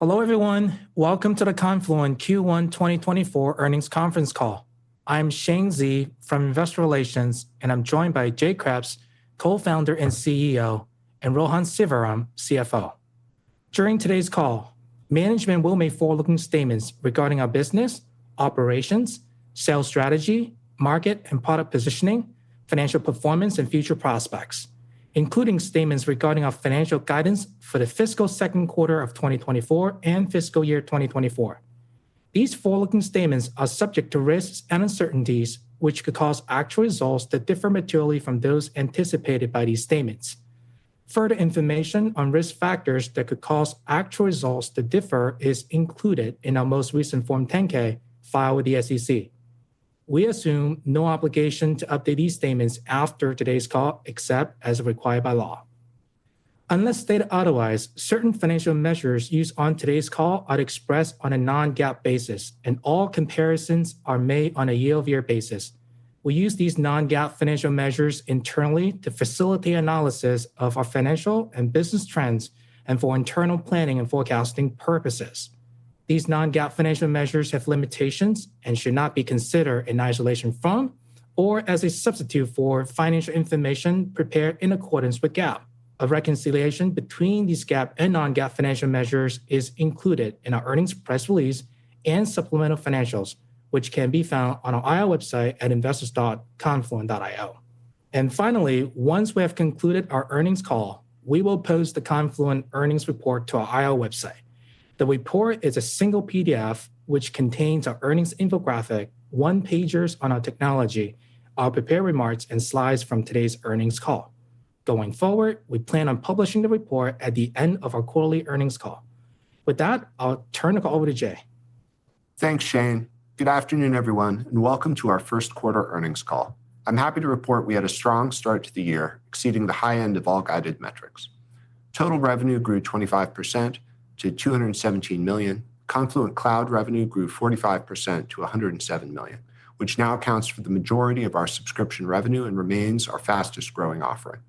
Hello, everyone. Welcome to the Confluent Q1 2024 earnings conference call. I'm Shane Zee from Investor Relations, and I'm joined by Jay Kreps, co-founder and CEO, and Rohan Sivaram, CFO. During today's call, management will make forward-looking statements regarding our business, operations, sales strategy, market and product positioning, financial performance, and future prospects, including statements regarding our financial guidance for the fiscal second quarter of 2024 and fiscal year 2024. These forward-looking statements are subject to risks and uncertainties, which could cause actual results to differ materially from those anticipated by these statements. Further information on risk factors that could cause actual results to differ is included in our most recent Form 10-K filed with the SEC. We assume no obligation to update these statements after today's call, except as required by law. Unless stated otherwise, certain financial measures used on today's call are expressed on a non-GAAP basis, and all comparisons are made on a year-over-year basis. We use these non-GAAP financial measures internally to facilitate analysis of our financial and business trends and for internal planning and forecasting purposes. These non-GAAP financial measures have limitations and should not be considered in isolation from or as a substitute for financial information prepared in accordance with GAAP. A reconciliation between these GAAP and non-GAAP financial measures is included in our earnings press release and supplemental financials, which can be found on our IR website at investors.confluent.io. Finally, once we have concluded our earnings call, we will post the Confluent earnings report to our IR website. The report is a single PDF, which contains our earnings infographic, one-pagers on our technology, our prepared remarks, and slides from today's earnings call. Going forward, we plan on publishing the report at the end of our quarterly earnings call. With that, I'll turn the call over to Jay. Thanks, Shane. Good afternoon, everyone, and welcome to our first quarter earnings call. I'm happy to report we had a strong start to the year, exceeding the high end of all guided metrics. Total revenue grew 25% to $217 million. Confluent Cloud revenue grew 45% to $107 million, which now accounts for the majority of our subscription revenue and remains our fastest-growing offering.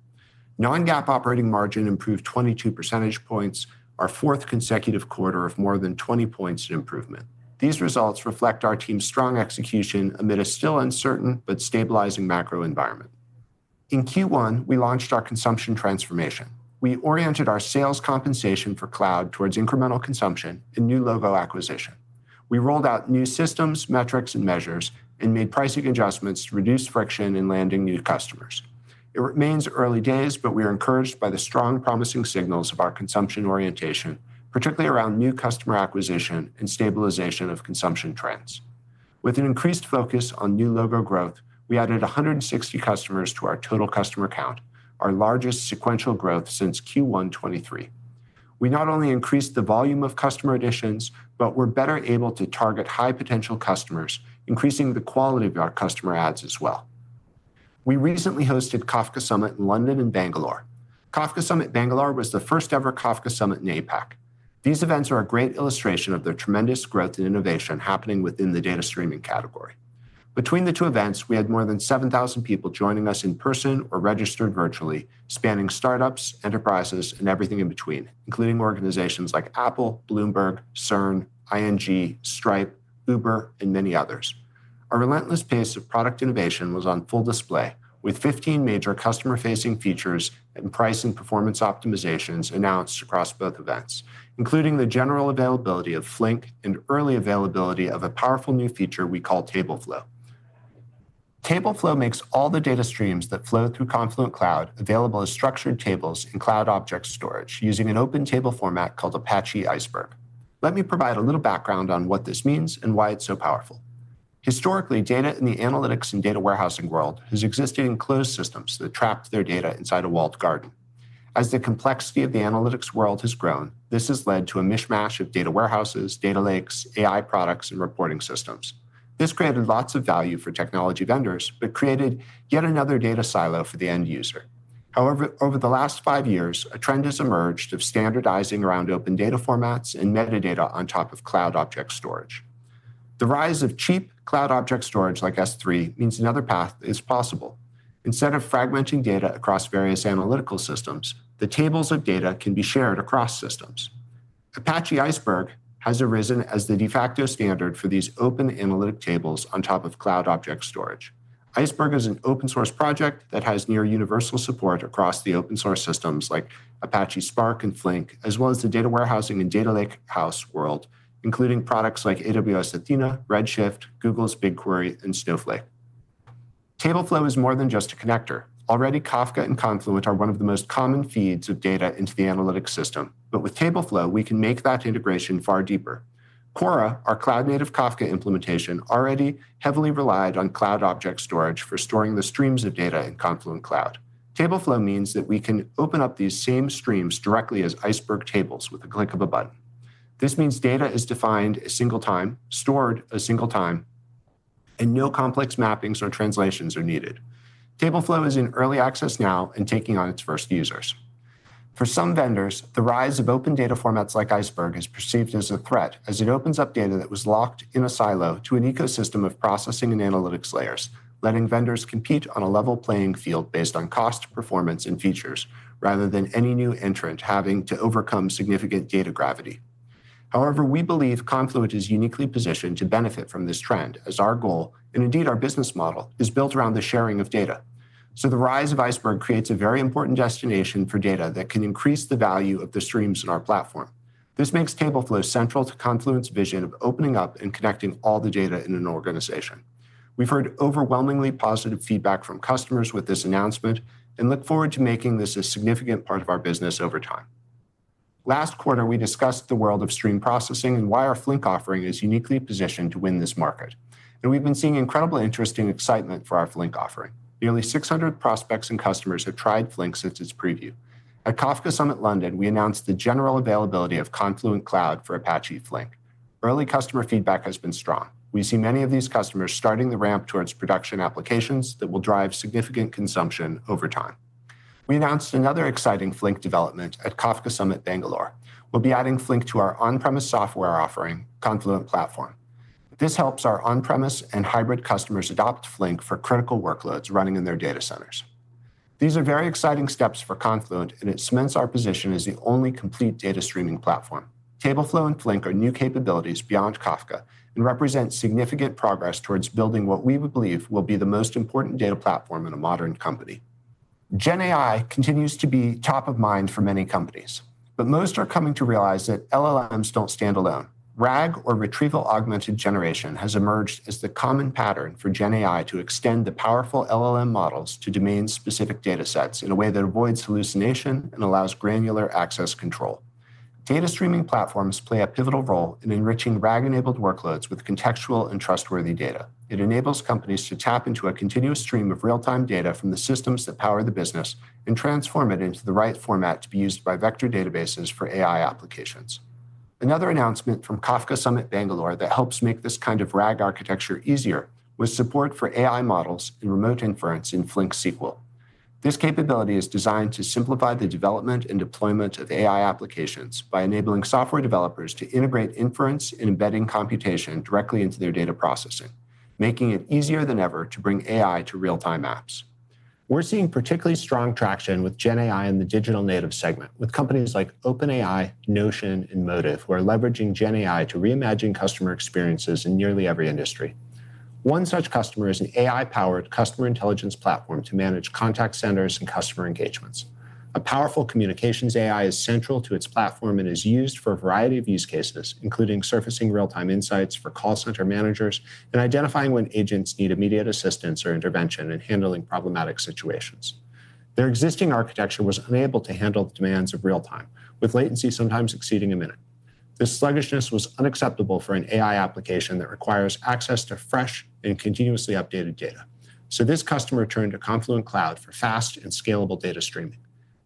Non-GAAP operating margin improved 22 percentage points, our fourth consecutive quarter of more than 20 points in improvement. These results reflect our team's strong execution amid a still uncertain but stabilizing macro environment. In Q1, we launched our consumption transformation. We oriented our sales compensation for cloud towards incremental consumption and new logo acquisition. We rolled out new systems, metrics, and measures and made pricing adjustments to reduce friction in landing new customers. It remains early days, but we are encouraged by the strong, promising signals of our consumption orientation, particularly around new customer acquisition and stabilization of consumption trends. With an increased focus on new logo growth, we added 160 customers to our total customer count, our largest sequential growth since Q1 2023. We not only increased the volume of customer additions, but we're better able to target high potential customers, increasing the quality of our customer adds as well. We recently hosted Kafka Summit in London and Bangalore. Kafka Summit Bangalore was the first-ever Kafka Summit in APAC. These events are a great illustration of the tremendous growth and innovation happening within the data streaming category. Between the two events, we had more than 7,000 people joining us in person or registered virtually, spanning startups, enterprises, and everything in between, including organizations like Apple, Bloomberg, CERN, ING, Stripe, Uber, and many others. Our relentless pace of product innovation was on full display, with 15 major customer-facing features and price and performance optimizations announced across both events, including the general availability of Flink and early availability of a powerful new feature we call TableFlow. TableFlow makes all the data streams that flow through Confluent Cloud available as structured tables in cloud object storage using an open table format called Apache Iceberg. Let me provide a little background on what this means and why it's so powerful. Historically, data in the analytics and data warehousing world has existed in closed systems that trap their data inside a walled garden. As the complexity of the analytics world has grown, this has led to a mishmash of data warehouses, data lakes, AI products, and reporting systems. This created lots of value for technology vendors but created yet another data silo for the end user. However, over the last five years, a trend has emerged of standardizing around open data formats and metadata on top of cloud object storage. The rise of cheap cloud object storage like S3 means another path is possible. Instead of fragmenting data across various analytical systems, the tables of data can be shared across systems. Apache Iceberg has arisen as the de facto standard for these open analytic tables on top of cloud object storage. Iceberg is an open source project that has near universal support across the open source systems like Apache Spark and Flink, as well as the data warehousing and data lakehouse world, including products like AWS Athena, Redshift, Google's BigQuery, and Snowflake. TableFlow is more than just a connector. Already, Kafka and Confluent are one of the most common feeds of data into the analytics system, but with TableFlow, we can make that integration far deeper. Kora, our cloud-native Kafka implementation, already heavily relied on cloud object storage for storing the streams of data in Confluent Cloud. TableFlow means that we can open up these same streams directly as Iceberg tables with the click of a button. This means data is defined a single time, stored a single time, and no complex mappings or translations are needed. TableFlow is in early access now and taking on its first users. For some vendors, the rise of open data formats like Iceberg is perceived as a threat, as it opens up data that was locked in a silo to an ecosystem of processing and analytics layers, letting vendors compete on a level playing field based on cost, performance, and features, rather than any new entrant having to overcome significant data gravity... However, we believe Confluent is uniquely positioned to benefit from this trend, as our goal, and indeed our business model, is built around the sharing of data. So the rise of Iceberg creates a very important destination for data that can increase the value of the streams in our platform. This makes TableFlow central to Confluent's vision of opening up and connecting all the data in an organization. We've heard overwhelmingly positive feedback from customers with this announcement and look forward to making this a significant part of our business over time. Last quarter, we discussed the world of stream processing and why our Flink offering is uniquely positioned to win this market, and we've been seeing incredibly interesting excitement for our Flink offering. Nearly 600 prospects and customers have tried Flink since its preview. At Kafka Summit London, we announced the general availability of Confluent Cloud for Apache Flink. Early customer feedback has been strong. We see many of these customers starting the ramp towards production applications that will drive significant consumption over time. We announced another exciting Flink development at Kafka Summit Bangalore. We'll be adding Flink to our on-premise software offering, Confluent Platform. This helps our on-premise and hybrid customers adopt Flink for critical workloads running in their data centers. These are very exciting steps for Confluent, and it cements our position as the only complete data streaming platform. TableFlow and Flink are new capabilities beyond Kafka and represent significant progress towards building what we believe will be the most important data platform in a modern company. GenAI continues to be top of mind for many companies, but most are coming to realize that LLMs don't stand alone. RAG, or Retrieval-Augmented Generation, has emerged as the common pattern for GenAI to extend the powerful LLM models to domain-specific data sets in a way that avoids hallucination and allows granular access control. Data streaming platforms play a pivotal role in enriching RAG-enabled workloads with contextual and trustworthy data. It enables companies to tap into a continuous stream of real-time data from the systems that power the business and transform it into the right format to be used by vector databases for AI applications. Another announcement from Kafka Summit Bangalore that helps make this kind of RAG architecture easier was support for AI models and remote inference in Flink SQL. This capability is designed to simplify the development and deployment of AI applications by enabling software developers to integrate inference and embedding computation directly into their data processing, making it easier than ever to bring AI to real-time apps. We're seeing particularly strong traction with GenAI in the digital native segment, with companies like OpenAI, Notion, and Motive, who are leveraging GenAI to reimagine customer experiences in nearly every industry. One such customer is an AI-powered customer intelligence platform to manage contact centers and customer engagements. A powerful communications AI is central to its platform and is used for a variety of use cases, including surfacing real-time insights for call center managers and identifying when agents need immediate assistance or intervention in handling problematic situations. Their existing architecture was unable to handle the demands of real time, with latency sometimes exceeding a minute. This sluggishness was unacceptable for an AI application that requires access to fresh and continuously updated data. So this customer turned to Confluent Cloud for fast and scalable data streaming.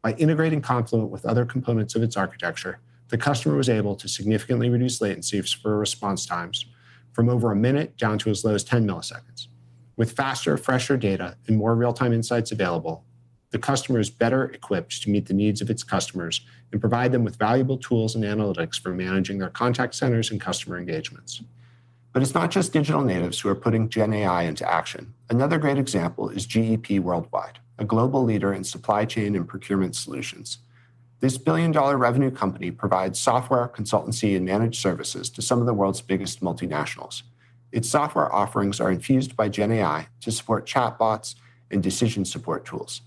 By integrating Confluent with other components of its architecture, the customer was able to significantly reduce latency for response times from over a minute down to as low as 10 milliseconds. With faster, fresher data and more real-time insights available, the customer is better equipped to meet the needs of its customers and provide them with valuable tools and analytics for managing their contact centers and customer engagements. But it's not just digital natives who are putting GenAI into action. Another great example is GEP Worldwide, a global leader in supply chain and procurement solutions. This billion-dollar revenue company provides software, consultancy, and managed services to some of the world's biggest multinationals. Its software offerings are infused by GenAI to support chatbots and decision support tools.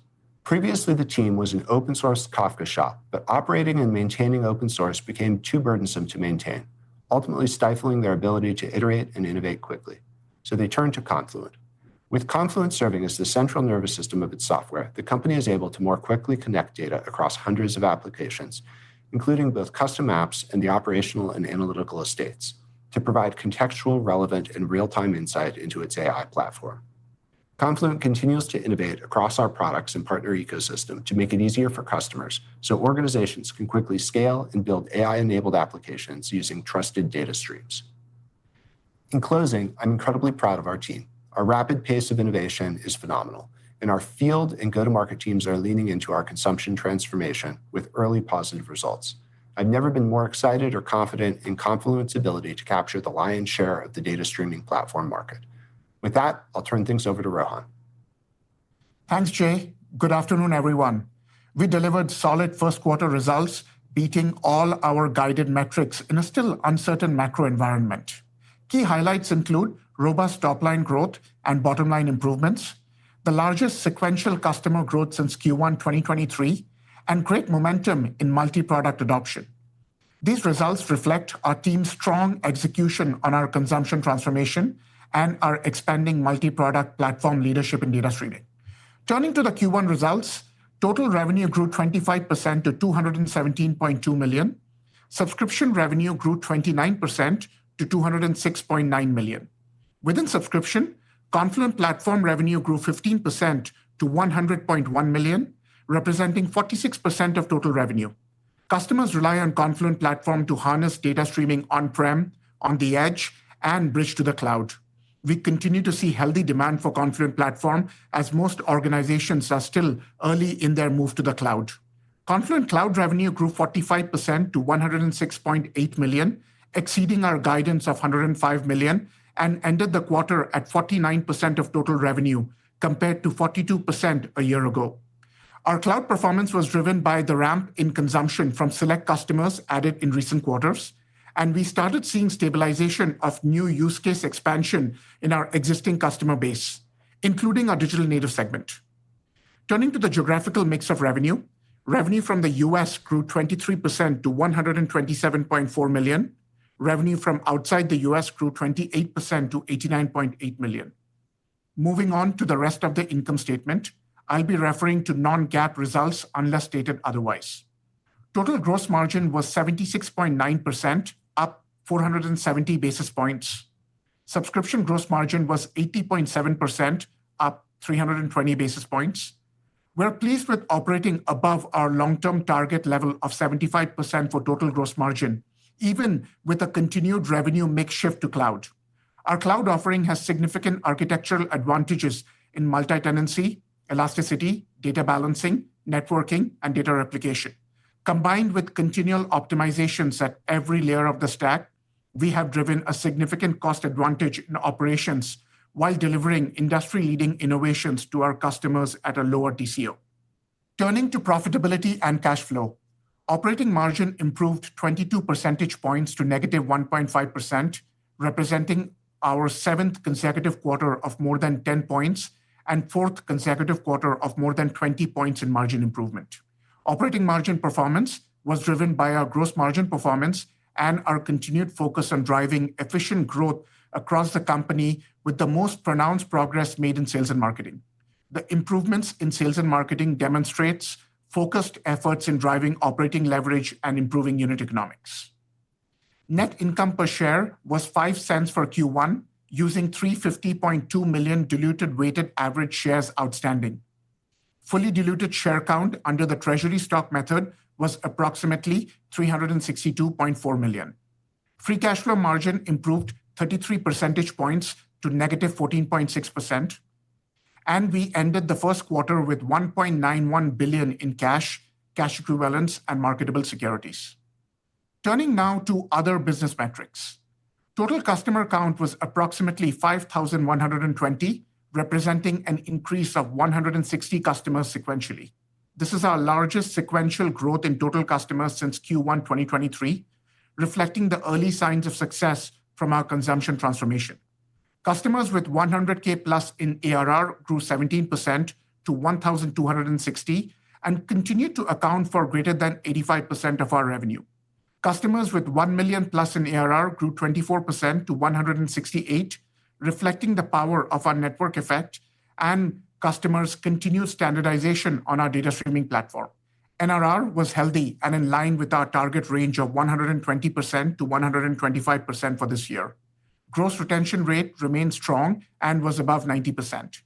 Previously, the team was an open source Kafka shop, but operating and maintaining open source became too burdensome to maintain, ultimately stifling their ability to iterate and innovate quickly, so they turned to Confluent. With Confluent serving as the central nervous system of its software, the company is able to more quickly connect data across hundreds of applications, including both custom apps and the operational and analytical estates, to provide contextual, relevant, and real-time insight into its AI platform. Confluent continues to innovate across our products and partner ecosystem to make it easier for customers, so organizations can quickly scale and build AI-enabled applications using trusted data streams. In closing, I'm incredibly proud of our team. Our rapid pace of innovation is phenomenal, and our field and go-to-market teams are leaning into our consumption transformation with early positive results. I've never been more excited or confident in Confluent's ability to capture the lion's share of the data streaming platform market. With that, I'll turn things over to Rohan. Thanks, Jay. Good afternoon, everyone. We delivered solid first quarter results, beating all our guided metrics in a still uncertain macro environment. Key highlights include robust top-line growth and bottom-line improvements, the largest sequential customer growth since Q1 2023, and great momentum in multi-product adoption. These results reflect our team's strong execution on our consumption transformation and our expanding multi-product platform leadership in data streaming. Turning to the Q1 results, total revenue grew 25% to $217.2 million. Subscription revenue grew 29% to $206.9 million. Within subscription, Confluent Platform revenue grew 15% to $100.1 million, representing 46% of total revenue. Customers rely on Confluent Platform to harness data streaming on-prem, on the edge, and bridge to the cloud. We continue to see healthy demand for Confluent Platform as most organizations are still early in their move to the cloud. Confluent Cloud revenue grew 45% to $106.8 million, exceeding our guidance of $105 million, and ended the quarter at 49% of total revenue, compared to 42% a year ago. Our cloud performance was driven by the ramp in consumption from select customers added in recent quarters, and we started seeing stabilization of new use case expansion in our existing customer base, including our digital native segment. Turning to the geographical mix of revenue, revenue from the US grew 23% to $127.4 million. Revenue from outside the US grew 28% to $89.8 million. Moving on to the rest of the income statement, I'll be referring to non-GAAP results unless stated otherwise. Total gross margin was 76.9%, up 470 basis points. Subscription gross margin was 80.7%, up 320 basis points. We're pleased with operating above our long-term target level of 75% for total gross margin, even with a continued revenue mix shift to cloud. Our cloud offering has significant architectural advantages in multi-tenancy, elasticity, data balancing, networking, and data replication. Combined with continual optimizations at every layer of the stack, we have driven a significant cost advantage in operations while delivering industry-leading innovations to our customers at a lower TCO. Turning to profitability and cash flow. Operating margin improved 22 percentage points to -1.5%, representing our seventh consecutive quarter of more than 10 points and fourth consecutive quarter of more than 20 points in margin improvement. Operating margin performance was driven by our gross margin performance and our continued focus on driving efficient growth across the company with the most pronounced progress made in sales and marketing. The improvements in sales and marketing demonstrates focused efforts in driving operating leverage and improving unit economics. Net income per share was $0.05 for Q1, using 350.2 million diluted weighted average shares outstanding. Fully diluted share count under the treasury stock method was approximately 362.4 million. Free cash flow margin improved 33 percentage points to -14.6%, and we ended the first quarter with $1.91 billion in cash, cash equivalents, and marketable securities. Turning now to other business metrics. Total customer count was approximately 5,120, representing an increase of 160 customers sequentially. This is our largest sequential growth in total customers since Q1 2023, reflecting the early signs of success from our consumption transformation. Customers with $100K+ in ARR grew 17% to 1,260, and continued to account for greater than 85% of our revenue. Customers with $1 million+ in ARR grew 24% to 168, reflecting the power of our network effect and customers' continued standardization on our data streaming platform. NRR was healthy and in line with our target range of 120%-125% for this year. Gross retention rate remained strong and was above 90%.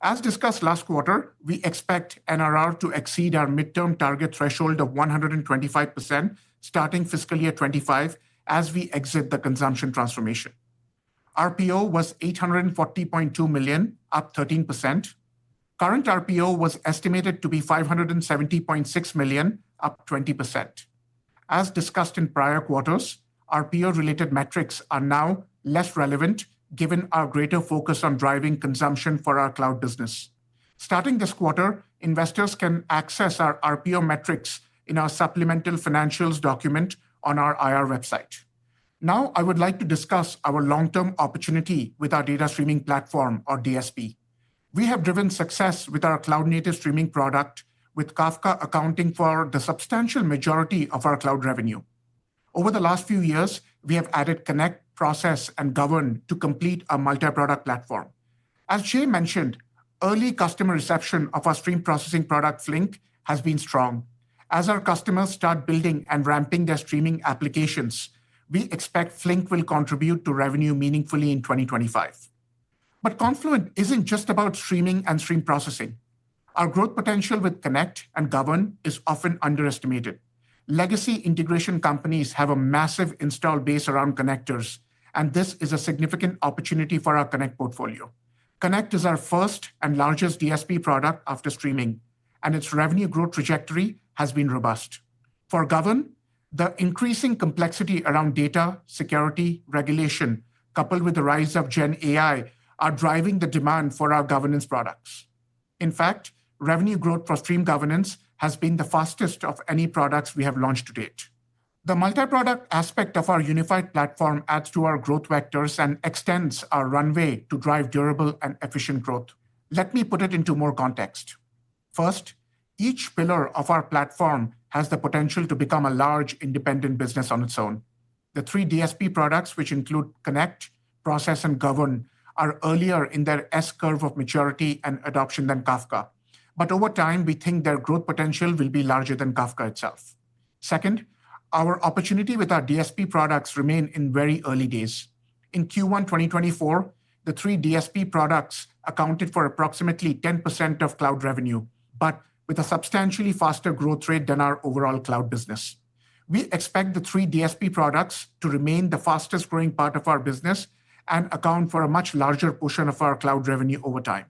As discussed last quarter, we expect NRR to exceed our midterm target threshold of 125%, starting fiscal year 2025 as we exit the consumption transformation. RPO was $840.2 million, up 13%. Current RPO was estimated to be $570.6 million, up 20%. As discussed in prior quarters, RPO-related metrics are now less relevant given our greater focus on driving consumption for our cloud business. Starting this quarter, investors can access our RPO metrics in our supplemental financials document on our IR website. Now, I would like to discuss our long-term opportunity with our data streaming platform or DSP. We have driven success with our cloud-native streaming product, with Kafka accounting for the substantial majority of our cloud revenue. Over the last few years, we have added Connect, process, and Govern to complete our multi-product platform. As Jay mentioned, early customer reception of our stream processing product, Flink, has been strong. As our customers start building and ramping their streaming applications, we expect Flink will contribute to revenue meaningfully in 2025. But Confluent isn't just about streaming and stream processing. Our growth potential with Connect and Govern is often underestimated. Legacy integration companies have a massive installed base around connectors, and this is a significant opportunity for our Connect portfolio. Connect is our first and largest DSP product after streaming, and its revenue growth trajectory has been robust. For Govern, the increasing complexity around data security regulation, coupled with the rise of GenAI, are driving the demand for our governance products. In fact, revenue growth for Stream Governance has been the fastest of any products we have launched to date. The multi-product aspect of our unified platform adds to our growth vectors and extends our runway to drive durable and efficient growth. Let me put it into more context. First, each pillar of our platform has the potential to become a large independent business on its own. The three DSP products, which include Connect, Process, and Govern, are earlier in their S-curve of maturity and adoption than Kafka, but over time, we think their growth potential will be larger than Kafka itself. Second, our opportunity with our DSP products remain in very early days. In Q1 2024, the three DSP products accounted for approximately 10% of cloud revenue, but with a substantially faster growth rate than our overall cloud business. We expect the three DSP products to remain the fastest growing part of our business and account for a much larger portion of our cloud revenue over time.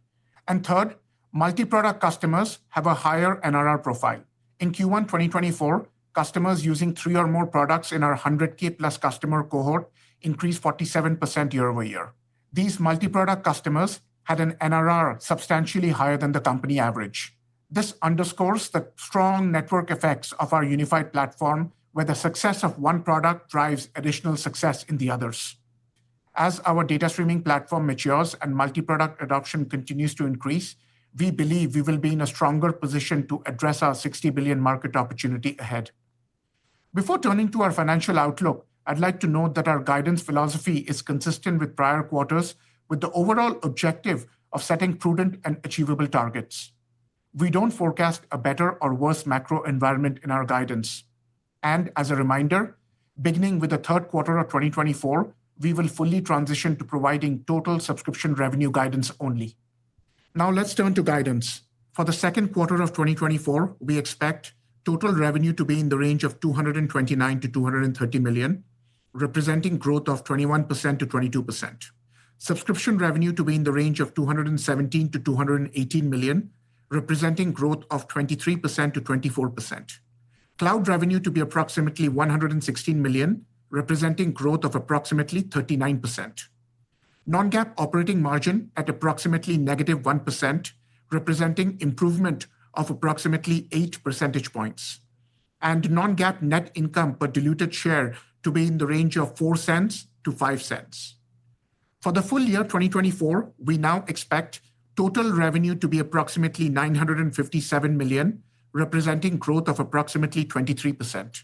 And third, multi-product customers have a higher NRR profile. In Q1 2024, customers using three or more products in our 100K+ customer cohort increased 47% year-over-year. These multi-product customers had an NRR substantially higher than the company average. This underscores the strong network effects of our unified platform, where the success of one product drives additional success in the others. As our data streaming platform matures and multi-product adoption continues to increase, we believe we will be in a stronger position to address our $60 billion market opportunity ahead. Before turning to our financial outlook, I'd like to note that our guidance philosophy is consistent with prior quarters, with the overall objective of setting prudent and achievable targets. We don't forecast a better or worse macro environment in our guidance. As a reminder, beginning with the third quarter of 2024, we will fully transition to providing total subscription revenue guidance only. Now, let's turn to guidance. For the second quarter of 2024, we expect total revenue to be in the range of $229 million-$230 million, representing 21%-22% growth. Subscription revenue to be in the range of $217 million-$218 million, representing 23%-24% growth. Cloud revenue to be approximately $116 million, representing approximately 39% growth. Non-GAAP operating margin at approximately -1%, representing improvement of approximately eight percentage points, and non-GAAP net income per diluted share to be in the range of $0.04-$0.05. For the full year 2024, we now expect total revenue to be approximately $957 million, representing approximately 23% growth.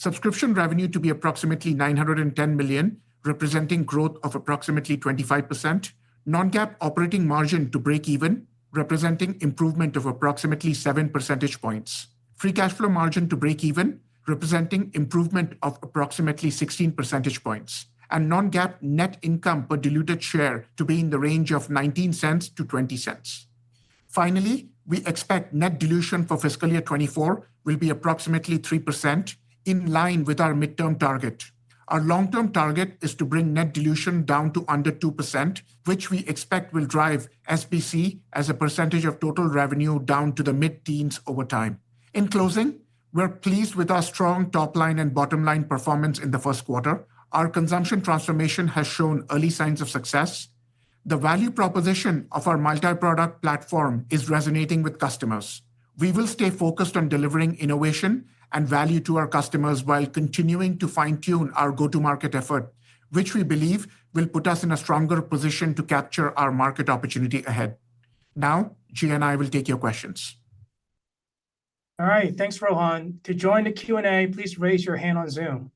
Subscription revenue to be approximately $910 million, representing growth of approximately 25%. Non-GAAP operating margin to break even, representing improvement of approximately seven percentage points. Free cash flow margin to break even, representing improvement of approximately sixteen percentage points, and non-GAAP net income per diluted share to be in the range of $0.19-$0.20. Finally, we expect net dilution for fiscal year 2024 will be approximately 3%, in line with our midterm target. Our long-term target is to bring net dilution down to under 2%, which we expect will drive SBC as a percentage of total revenue down to the mid-teens over time. In closing, we're pleased with our strong top-line and bottom-line performance in the first quarter. Our consumption transformation has shown early signs of success. The value proposition of our multi-product platform is resonating with customers. We will stay focused on delivering innovation and value to our customers while continuing to fine-tune our go-to-market effort, which we believe will put us in a stronger position to capture our market opportunity ahead. Now, Jay and I will take your questions. All right. Thanks, Rohan. To join the Q&A, please raise your hand on Zoom.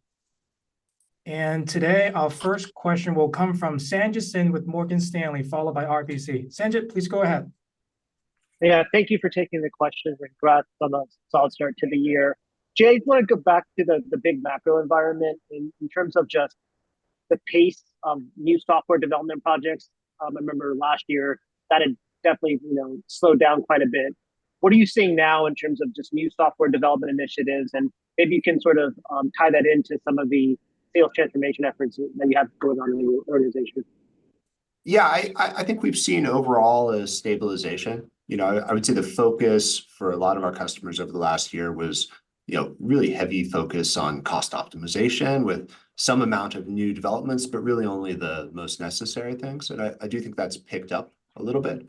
Today, our first question will come from Sanjit Singh with Morgan Stanley, followed by RBC. Sanjit, please go ahead. Yeah, thank you for taking the question, and congrats on a solid start to the year. Jay, I just want to go back to the, the big macro environment in, in terms of just the pace of new software development projects. I remember last year that had definitely, you know, slowed down quite a bit. What are you seeing now in terms of just new software development initiatives? And maybe you can sort of, tie that into some of the sales transformation efforts that you have going on in the organization. Yeah, I think we've seen overall a stabilization. You know, I would say the focus for a lot of our customers over the last year was, you know, really heavy focus on cost optimization with some amount of new developments, but really only the most necessary things. And I do think that's picked up a little bit.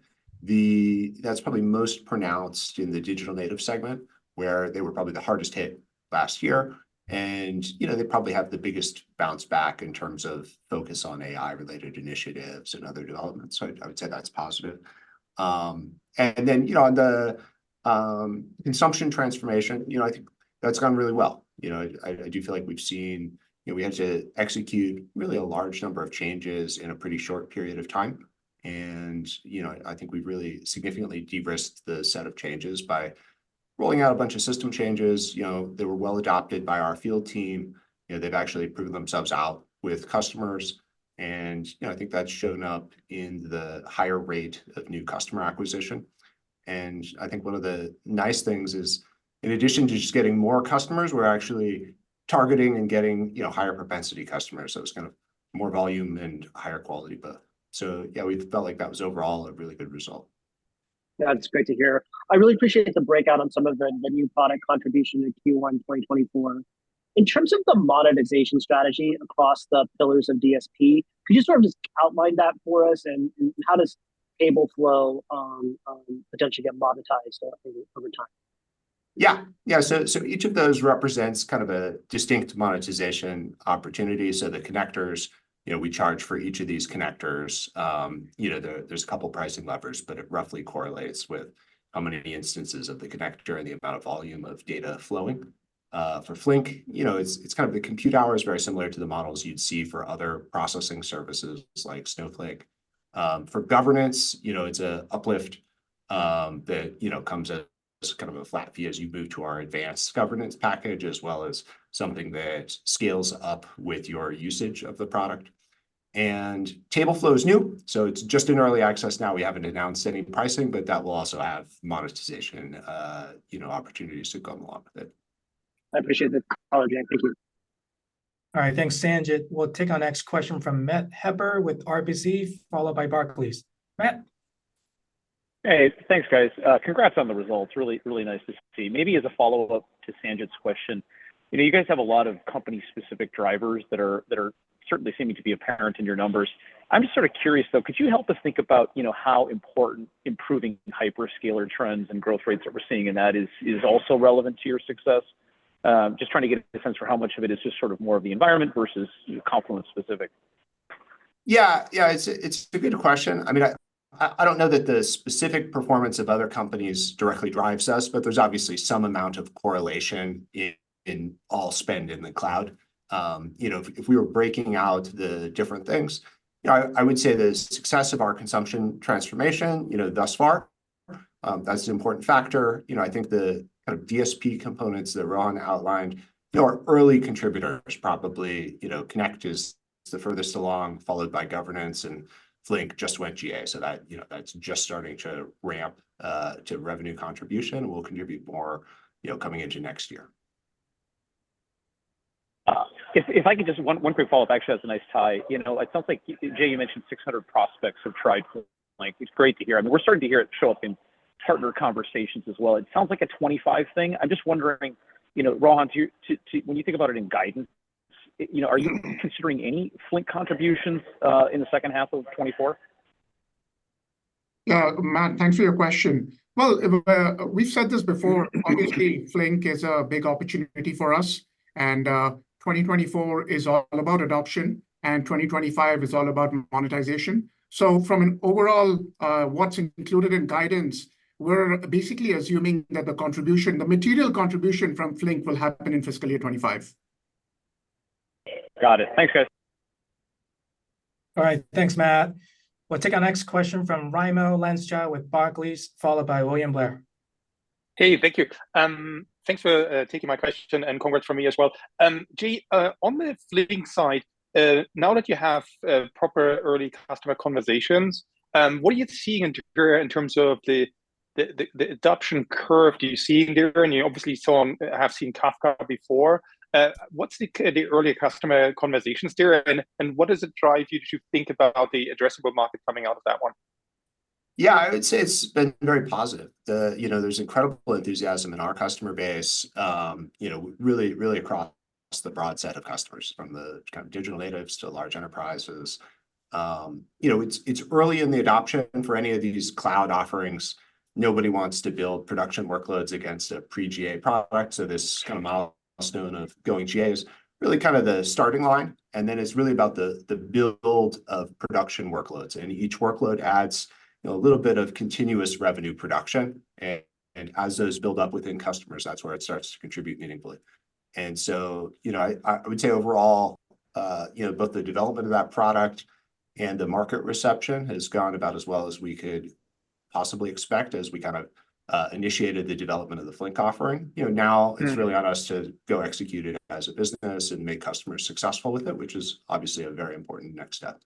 That's probably most pronounced in the digital native segment, where they were probably the hardest hit last year, and, you know, they probably have the biggest bounce back in terms of focus on AI-related initiatives and other developments. So I would say that's positive. And then, you know, on the consumption transformation, you know, I think that's gone really well. You know, I do feel like we've seen, you know, we had to execute really a large number of changes in a pretty short period of time. And, you know, I think we've really significantly de-risked the set of changes by rolling out a bunch of system changes. You know, they were well-adopted by our field team, you know, they've actually proven themselves out with customers, and, you know, I think that's shown up in the higher rate of new customer acquisition. And I think one of the nice things is, in addition to just getting more customers, we're actually targeting and getting, you know, higher propensity customers, so it's kind of more volume and higher quality, both. So yeah, we felt like that was overall a really good result. Yeah, it's great to hear. I really appreciate the breakout on some of the new product contribution in Q1 2024. In terms of the monetization strategy across the pillars of DSP, could you sort of just outline that for us, and how does TableFlow potentially get monetized over time? Yeah. Yeah, so each of those represents kind of a distinct monetization opportunity. So the connectors, you know, we charge for each of these connectors. You know, there, there's a couple pricing levers, but it roughly correlates with how many instances of the connector and the amount of volume of data flowing. For Flink, you know, it's kind of the compute hour is very similar to the models you'd see for other processing services, like Snowflake. For governance, you know, it's a uplift that you know comes as kind of a flat fee as you move to our advanced governance package, as well as something that scales up with your usage of the product. And TableFlow is new, so it's just in early access now. We haven't announced any pricing, but that will also have monetization, you know, opportunities to come along with it. I appreciate the clarity. Thank you. All right. Thanks, Sanjit. We'll take our next question from Matt Hedberg with RBC, followed by Barclays. Matt? Hey, thanks, guys. Congrats on the results, really, really nice to see. Maybe as a follow-up to Sanjit's question, you know, you guys have a lot of company-specific drivers that are certainly seeming to be apparent in your numbers. I'm just sort of curious, though, could you help us think about, you know, how important improving hyperscaler trends and growth rates that we're seeing in that is, is also relevant to your success? Just trying to get a sense for how much of it is just sort of more of the environment versus Confluent specific. Yeah. Yeah, it's a good question. I mean, I don't know that the specific performance of other companies directly drives us, but there's obviously some amount of correlation in all spend in the cloud. You know, if we were breaking out the different things, you know, I would say the success of our consumption transformation, you know, thus far, that's an important factor. You know, I think the kind of DSP components that Rohan outlined, you know, are early contributors probably, you know, Connect is the furthest along, followed by Governance, and Flink just went GA, so that, you know, that's just starting to ramp to revenue contribution, will contribute more, you know, coming into next year. If I could just one quick follow-up, actually, that's a nice tie. You know, it sounds like, Jay, you mentioned 600 prospects have tried Flink. It's great to hear. I mean, we're starting to hear it show up in partner conversations as well. It sounds like a 25 thing. I'm just wondering, you know, Rohan, do you... when you think about it in guidance, you know, are you considering any Flink contributions in the second half of 2024? Matt, thanks for your question. Well, we've said this before, obviously, Flink is a big opportunity for us, and, 2024 is all about adoption, and 2025 is all about monetization. So from an overall, what's included in guidance, we're basically assuming that the contribution, the material contribution from Flink will happen in fiscal year 2025. Got it. Thanks, guys. All right. Thanks, Matt. We'll take our next question from Raimo Lenschow with Barclays, followed by William Blair. Hey, thank you. Thanks for taking my question, and congrats from me as well. Jay, on the Flink side, now that you have proper early customer conversations, what are you seeing in terms of the adoption curve? Do you see in there, and you obviously saw on- have seen Kafka before. What's the early customer conversations there, and what does it drive you to think about the addressable market coming out of that one? Yeah, I would say it's been very positive. You know, there's incredible enthusiasm in our customer base, you know, really, really across the broad set of customers, from the kind of digital natives to large enterprises. You know, it's, it's early in the adoption for any of these cloud offerings. Nobody wants to build production workloads against a pre-GA product, so this kind of milestone of going GA is really kind of the starting line, and then it's really about the, the build of production workloads. And each workload adds, you know, a little bit of continuous revenue production, and as those build up within customers, that's where it starts to contribute meaningfully. And so, you know, I would say overall, you know, both the development of that product and the market reception has gone about as well as we could possibly expect as we kind of initiated the development of the Flink offering. You know, it's really on us to go execute it as a business and make customers successful with it, which is obviously a very important next step.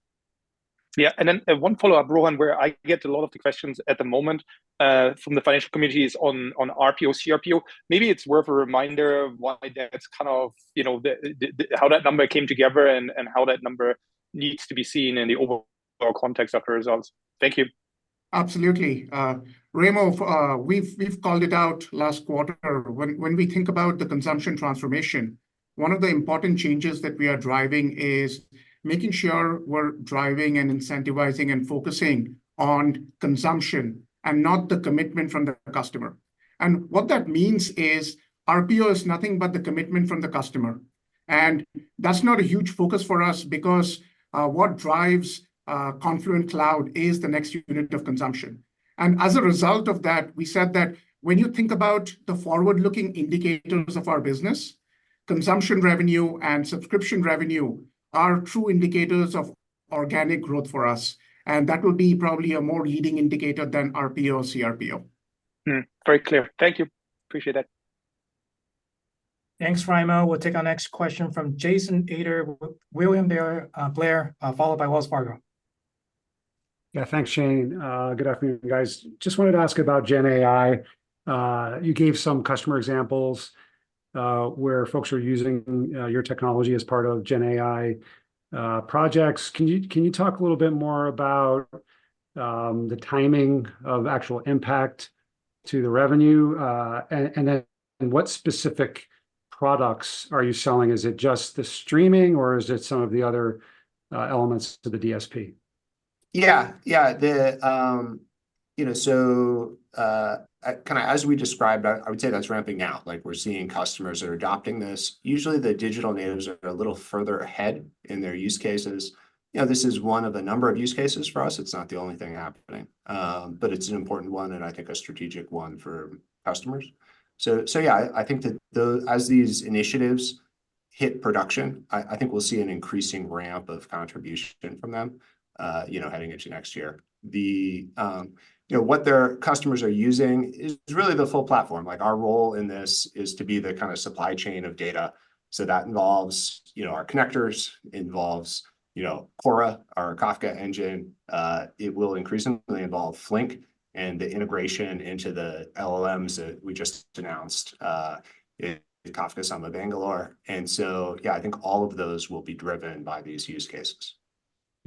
Yeah, and then one follow-up, Rohan, where I get a lot of the questions at the moment from the financial community is on RPO, CRPO. Maybe it's worth a reminder of why that's kind of, you know, the how that number came together and how that number needs to be seen in the overall context of the results. Thank you. Absolutely. Raimo, we've, we've called it out last quarter. When, when we think about the consumption transformation, one of the important changes that we are driving is making sure we're driving and incentivizing and focusing on consumption, and not the commitment from the customer. And what that means is RPO is nothing but the commitment from the customer, and that's not a huge focus for us because what drives Confluent Cloud is the next unit of consumption. And as a result of that, we said that when you think about the forward-looking indicators of our business, consumption revenue and subscription revenue are true indicators of organic growth for us, and that will be probably a more leading indicator than RPO, CRPO. Very clear. Thank you. Appreciate that. Thanks, Raimo. We'll take our next question from Jason Ader with William Blair, followed by Wells Fargo. Yeah, thanks, Shane. Good afternoon, guys. Just wanted to ask about GenAI. You gave some customer examples, where folks are using your technology as part of GenAI projects. Can you, can you talk a little bit more about the timing of actual impact to the revenue? And, and then, what specific products are you selling? Is it just the streaming, or is it some of the other elements to the DSP? Yeah. Yeah, you know, so kind of as we described, I, I would say that's ramping out, like we're seeing customers that are adopting this. Usually, the digital natives are a little further ahead in their use cases. You know, this is one of a number of use cases for us. It's not the only thing happening, but it's an important one, and I think a strategic one for customers. So, so yeah, I, I think that as these initiatives hit production, I, I think we'll see an increasing ramp of contribution from them, you know, heading into next year. You know, what their customers are using is really the full platform. Like, our role in this is to be the kind of supply chain of data, so that involves, you know, our connectors, involves, you know, Kora, our Kafka engine. It will increasingly involve Flink and the integration into the LLMs that we just announced in Kafka Summit Bangalore. And so, yeah, I think all of those will be driven by these use cases.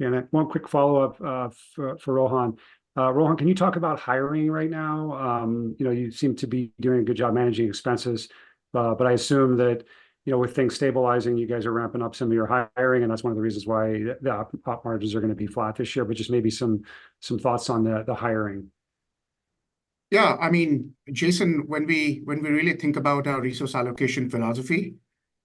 And then one quick follow-up for Rohan. Rohan, can you talk about hiring right now? You know, you seem to be doing a good job managing expenses, but I assume that, you know, with things stabilizing, you guys are ramping up some of your hiring, and that's one of the reasons why the op margins are gonna be flat this year. But just maybe some thoughts on the hiring. Yeah, I mean, Jason, when we, when we really think about our resource allocation philosophy,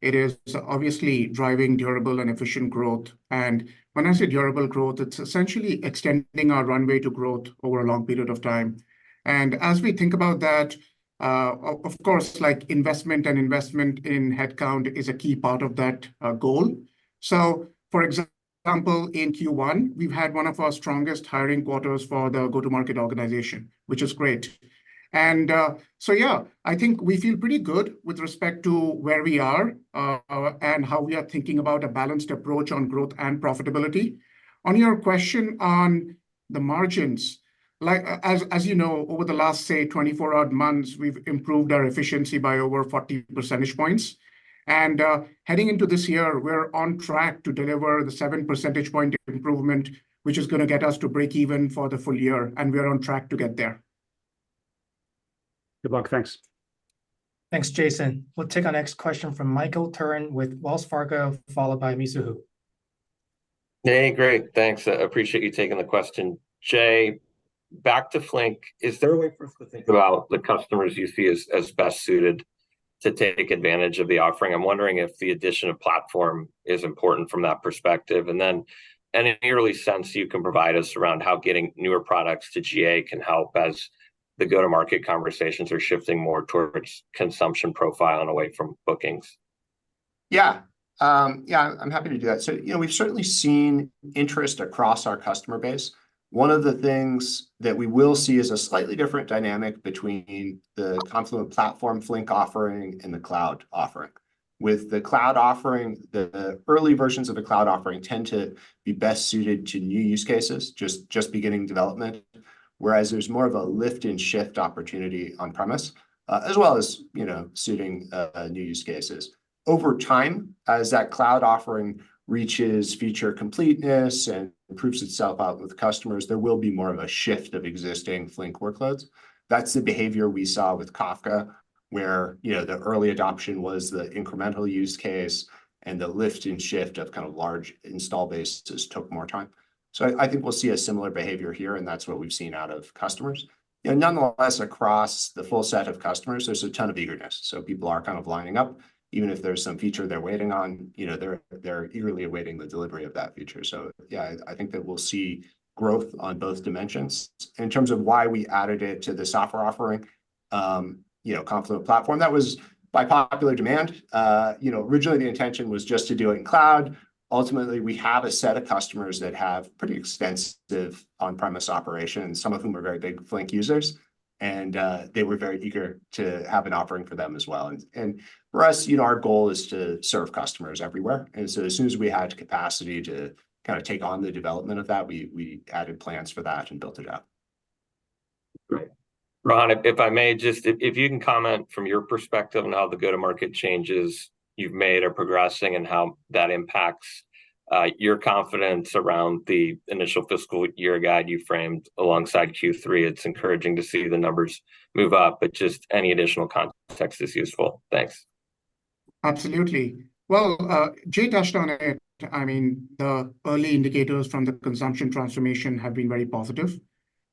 it is obviously driving durable and efficient growth. And when I say durable growth, it's essentially extending our runway to growth over a long period of time. And as we think about that, of course, like investment and investment in headcount is a key part of that goal. So, for example, in Q1, we've had one of our strongest hiring quarters for the go-to-market organization, which is great. And so yeah, I think we feel pretty good with respect to where we are and how we are thinking about a balanced approach on growth and profitability. On your question on the margins, like, as, as you know, over the last, say, 24 odd months, we've improved our efficiency by over 40 percentage points. Heading into this year, we're on track to deliver the 7 percentage point improvement, which is gonna get us to break even for the full year, and we are on track to get there. Good luck. Thanks. Thanks, Jason. We'll take our next question from Michael Turrin with Wells Fargo, followed by Mizuho. Hey, great. Thanks. Appreciate you taking the question. Jay, back to Flink. Is there a way for us to think about the customers you see as, as best suited to take advantage of the offering? I'm wondering if the addition of platform is important from that perspective. And then, any early sense you can provide us around how getting newer products to GA can help as the go-to-market conversations are shifting more towards consumption profile and away from bookings? Yeah. Yeah, I'm happy to do that. So, you know, we've certainly seen interest across our customer base. One of the things that we will see is a slightly different dynamic between the Confluent Platform Flink offering and the cloud offering. With the cloud offering, the early versions of the cloud offering tend to be best suited to new use cases, just beginning development, whereas there's more of a lift and shift opportunity on-premise, as well as, you know, suiting new use cases. Over time, as that cloud offering reaches feature completeness and proves itself out with customers, there will be more of a shift of existing Flink workloads. That's the behavior we saw with Kafka, where, you know, the early adoption was the incremental use case, and the lift and shift of kind of large install bases took more time. So, I think we'll see a similar behavior here, and that's what we've seen out of customers. But nonetheless, across the full set of customers, there's a ton of eagerness, so people are kind of lining up. Even if there's some feature they're waiting on, you know, they're eagerly awaiting the delivery of that feature. So yeah, I think that we'll see growth on both dimensions. In terms of why we added it to the software offering, you know, Confluent Platform, that was by popular demand. You know, originally the intention was just to do it in cloud. Ultimately, we have a set of customers that have pretty extensive on-premise operations, some of whom are very big Flink users, and they were very eager to have an offering for them as well. And for us, you know, our goal is to serve customers everywhere. And so as soon as we had capacity to kind of take on the development of that, we added plans for that and built it out. Great. Rohan, if I may just. If you can comment from your perspective on how the go-to-market changes you've made are progressing, and how that impacts your confidence around the initial fiscal year guide you framed alongside Q3? It's encouraging to see the numbers move up, but just any additional context is useful. Thanks. Absolutely. Well, Jay touched on it. I mean, the early indicators from the consumption transformation have been very positive.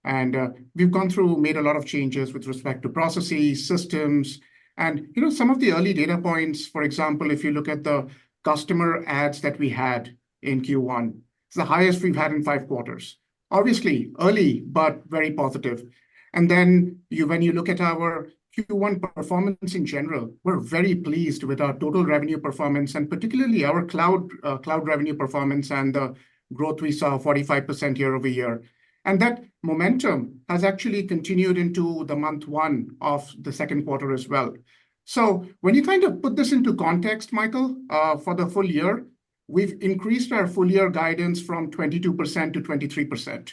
And, we've gone through, made a lot of changes with respect to processes, systems. And, you know, some of the early data points, for example, if you look at the customer adds that we had in Q1, it's the highest we've had in five quarters. Obviously, early, but very positive. And then, when you look at our Q1 performance in general, we're very pleased with our total revenue performance, and particularly our cloud, cloud revenue performance and the growth we saw, 45% year-over-year. And that momentum has actually continued into the month one of the second quarter as well. So when you kind of put this into context, Michael, for the full year, we've increased our full year guidance from 22%-23%.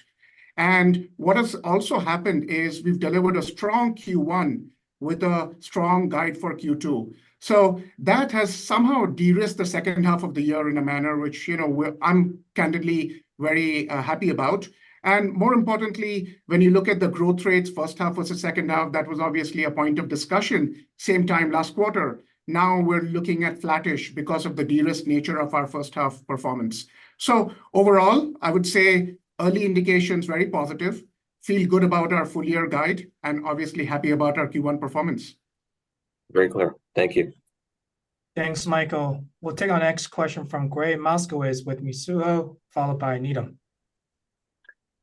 And what has also happened is we've delivered a strong Q1 with a strong guide for Q2. So that has somehow de-risked the second half of the year in a manner which, you know, we're, I'm candidly very happy about. And more importantly, when you look at the growth rates, first half versus second half, that was obviously a point of discussion same time last quarter. Now we're looking at flattish because of the de-risk nature of our first half performance. So overall, I would say early indications very positive, feel good about our full year guide, and obviously happy about our Q1 performance. Very clear. Thank you. Thanks, Michael. We'll take our next question from Gregg Moskowitz with Mizuho, followed by Needham.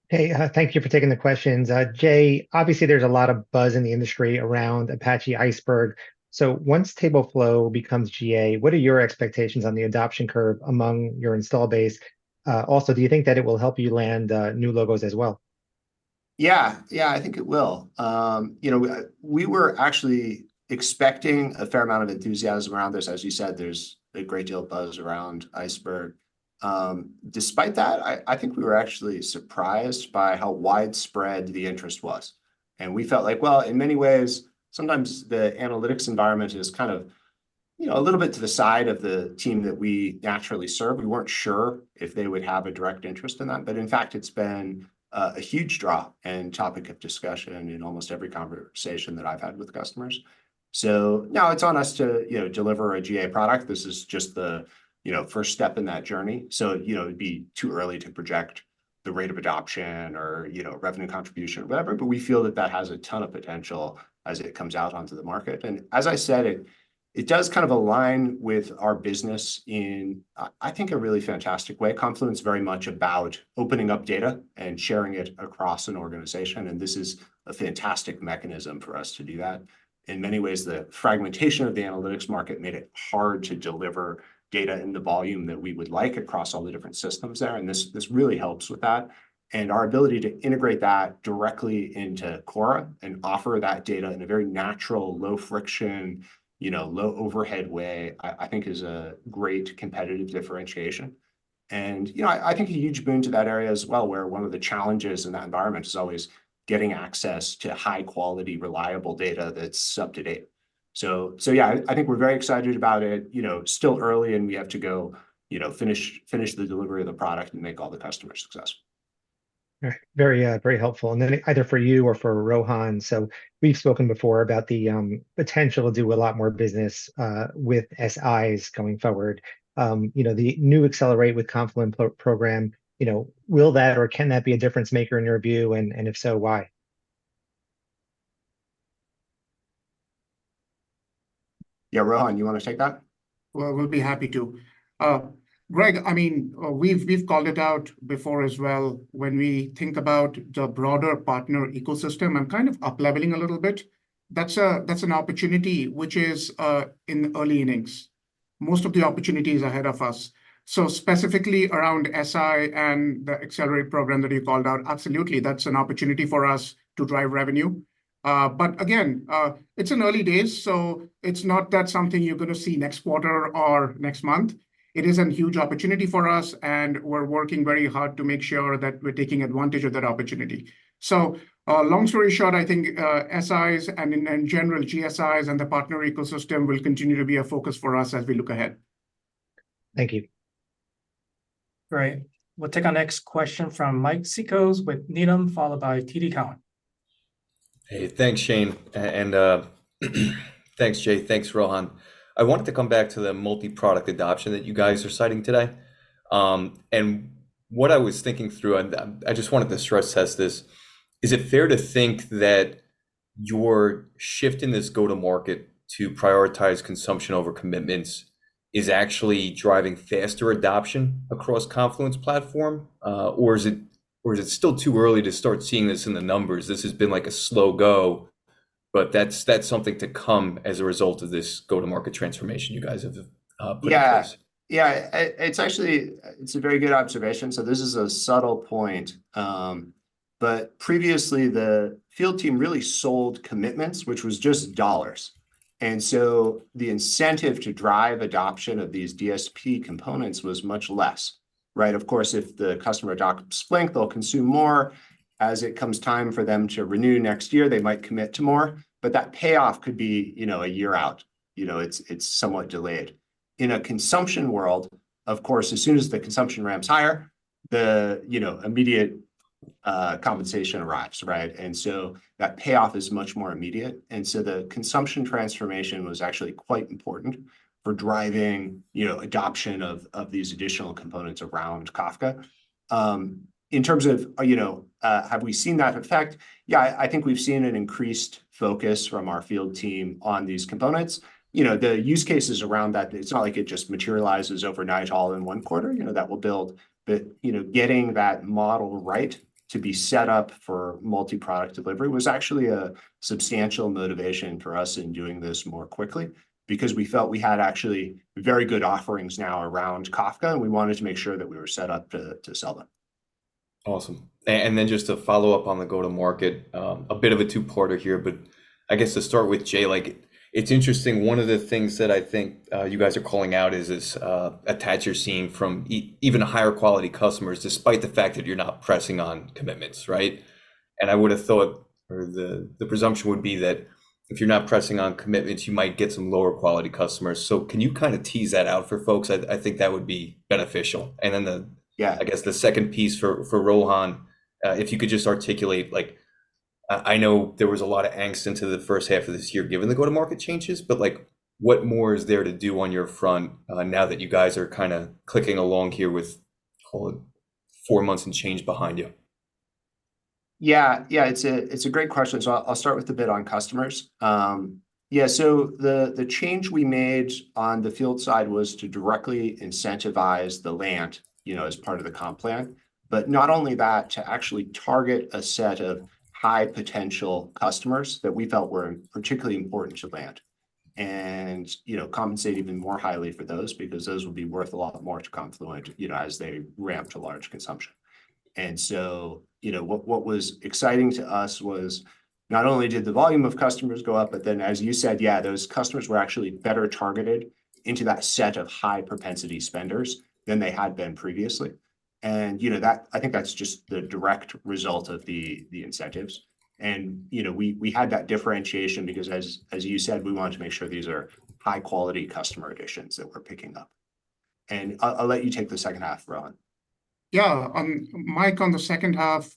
Hey, thank you for taking the questions. Jay, obviously there's a lot of buzz in the industry around Apache Iceberg. So once TableFlow becomes GA, what are your expectations on the adoption curve among your installed base? Also, do you think that it will help you land new logos as well? Yeah. Yeah, I think it will. You know, we were actually expecting a fair amount of enthusiasm around this. As you said, there's a great deal of buzz around Iceberg. Despite that, I think we were actually surprised by how widespread the interest was, and we felt like, well, in many ways, sometimes the analytics environment is kind of—you know, a little bit to the side of the team that we naturally serve. We weren't sure if they would have a direct interest in that, but in fact, it's been a huge draw and topic of discussion in almost every conversation that I've had with customers. So now it's on us to, you know, deliver a GA product. This is just the, you know, first step in that journey. So, you know, it'd be too early to project the rate of adoption or, you know, revenue contribution or whatever, but we feel that that has a ton of potential as it comes out onto the market. And as I said, it, it does kind of align with our business in, I, I think a really fantastic way. Confluent's very much about opening up data and sharing it across an organization, and this is a fantastic mechanism for us to do that. In many ways, the fragmentation of the analytics market made it hard to deliver data in the volume that we would like across all the different systems there, and this, this really helps with that. And our ability to integrate that directly into Kora and offer that data in a very natural, low-friction, you know, low-overhead way, I, I think is a great competitive differentiation. You know, I think a huge boon to that area as well, where one of the challenges in that environment is always getting access to high-quality, reliable data that's up-to-date. So yeah, I think we're very excited about it. You know, still early, and we have to go, you know, finish the delivery of the product and make all the customers successful. Very, very helpful. And then either for you or for Rohan: so we've spoken before about the potential to do a lot more business with SIs going forward. You know, the new Accelerate with Confluent program, you know, will that or can that be a difference-maker in your view? And, and if so, why? Yeah, Rohan, you wanna take that? Well, I will be happy to. Greg, I mean, we've called it out before as well, when we think about the broader partner ecosystem and kind of up-leveling a little bit, that's an opportunity which is in early innings. Most of the opportunity is ahead of us. So specifically around SI and the Accelerate program that you called out, absolutely, that's an opportunity for us to drive revenue. But again, it's in early days, so it's not that something you're gonna see next quarter or next month. It is a huge opportunity for us, and we're working very hard to make sure that we're taking advantage of that opportunity. So, long story short, I think, SIs, and in general, GSIs and the partner ecosystem will continue to be a focus for us as we look ahead. Thank you. Great. We'll take our next question from Mike Cikos with Needham, followed by TD Cowen. Hey, thanks, Shane, and thanks, Jay, thanks, Rohan. I wanted to come back to the multi-product adoption that you guys are citing today. And what I was thinking through, and I just wanted to stress test this, is it fair to think that your shift in this go-to-market to prioritize consumption over commitments is actually driving faster adoption across Confluent's platform? Or is it still too early to start seeing this in the numbers? This has been, like, a slow go, but that's something to come as a result of this go-to-market transformation you guys have put in place. Yeah. Yeah, it's actually... It's a very good observation. So this is a subtle point, but previously, the field team really sold commitments, which was just dollars. And so the incentive to drive adoption of these DSP components was much less, right? Of course, if the customer adopts Flink, they'll consume more. As it comes time for them to renew next year, they might commit to more, but that payoff could be, you know, a year out. You know, it's, it's somewhat delayed. In a consumption world, of course, as soon as the consumption ramps higher, the, you know, immediate, compensation arrives, right? And so that payoff is much more immediate. And so the consumption transformation was actually quite important for driving, you know, adoption of, of these additional components around Kafka. In terms of, you know, have we seen that effect? Yeah, I think we've seen an increased focus from our field team on these components. You know, the use cases around that, it's not like it just materializes overnight, all in one quarter, you know, that will build. But, you know, getting that model right to be set up for multi-product delivery was actually a substantial motivation for us in doing this more quickly, because we felt we had actually very good offerings now around Kafka, and we wanted to make sure that we were set up to sell them. Awesome. And then just to follow up on the go-to-market, a bit of a two-parter here, but I guess to start with Jay, like, it's interesting, one of the things that I think, you guys are calling out is this, attach you're seeing from even higher quality customers, despite the fact that you're not pressing on commitments, right? And I would have thought, or the, the presumption would be that if you're not pressing on commitments, you might get some lower quality customers. So can you kind of tease that out for folks? I think that would be beneficial. Yeah I guess the second piece for Rohan, if you could just articulate, like, I know there was a lot of angst into the first half of this year given the go-to-market changes, but, like, what more is there to do on your front, now that you guys are kind of clicking along here with, call it, four months and change behind you? Yeah, yeah, it's a great question. So I'll start with the bit on customers. Yeah, so the change we made on the field side was to directly incentivize the land, you know, as part of the comp plan. But not only that, to actually target a set of high potential customers that we felt were particularly important to land and, you know, compensate even more highly for those, because those would be worth a lot more to Confluent, you know, as they ramp to large consumption. And so, you know, what was exciting to us was not only did the volume of customers go up, but then, as you said, yeah, those customers were actually better targeted into that set of high propensity spenders than they had been previously... and you know, that, I think that's just the direct result of the incentives. And, you know, we had that differentiation because as you said, we wanted to make sure these are high-quality customer additions that we're picking up. And I'll let you take the second half, Rohan. Yeah, Mike, on the second half,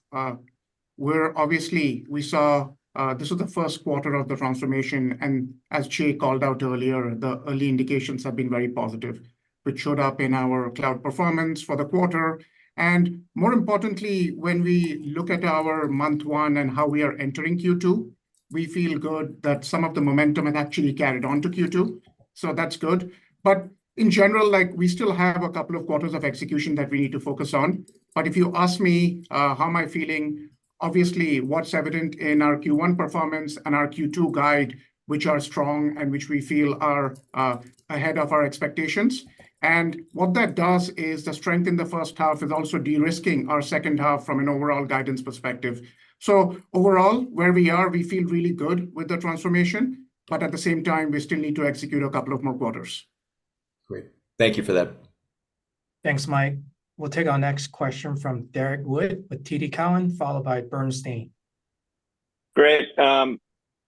we're obviously we saw, this was the first quarter of the transformation, and as Jay called out earlier, the early indications have been very positive, which showed up in our cloud performance for the quarter. And more importantly, when we look at our month one and how we are entering Q2, we feel good that some of the momentum has actually carried on to Q2, so that's good. But in general, like, we still have a couple of quarters of execution that we need to focus on. But if you ask me, how am I feeling, obviously, what's evident in our Q1 performance and our Q2 guide, which are strong and which we feel are, ahead of our expectations. What that does is the strength in the first half is also de-risking our second half from an overall guidance perspective. Overall, where we are, we feel really good with the transformation, but at the same time, we still need to execute a couple of more quarters. Great. Thank you for that. Thanks, Mike. We'll take our next question from Derrick Wood with TD Cowen, followed by Bernstein. Great.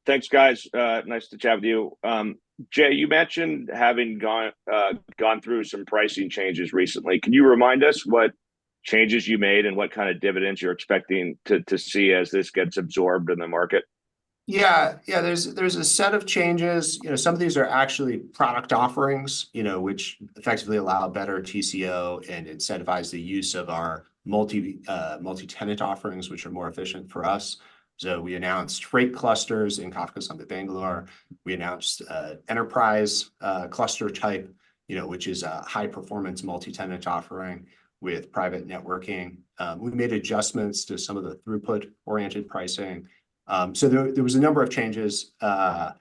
Thanks, guys. Nice to chat with you. Jay, you mentioned having gone through some pricing changes recently. Can you remind us what changes you made and what kind of dividends you're expecting to see as this gets absorbed in the market? Yeah, yeah, there's a set of changes. You know, some of these are actually product offerings, you know, which effectively allow better TCO and incentivize the use of our multi-tenant offerings, which are more efficient for us. So we announced Flink Clusters in Kafka in Bangalore. We announced Enterprise cluster type, you know, which is a high-performance multi-tenant offering with private networking. We made adjustments to some of the throughput-oriented pricing. So there was a number of changes that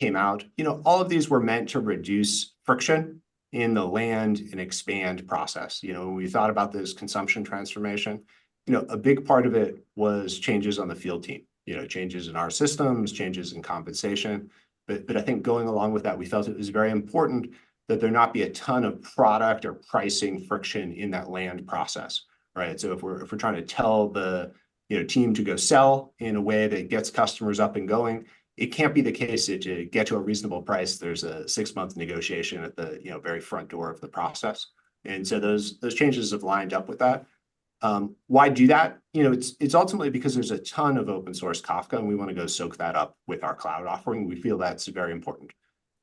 came out. You know, all of these were meant to reduce friction in the land and expand process. You know, when we thought about this consumption transformation, you know, a big part of it was changes on the field team, you know, changes in our systems, changes in compensation. But, but I think going along with that, we felt it was very important that there not be a ton of product or pricing friction in that land process, right? So if we're, if we're trying to tell the, you know, team to go sell in a way that gets customers up and going, it can't be the case that to get to a reasonable price, there's a six-month negotiation at the, you know, very front door of the process. And so those, those changes have lined up with that. Why do that? You know, it's, it's ultimately because there's a ton of open source Kafka, and we want to go soak that up with our cloud offering. We feel that's very important.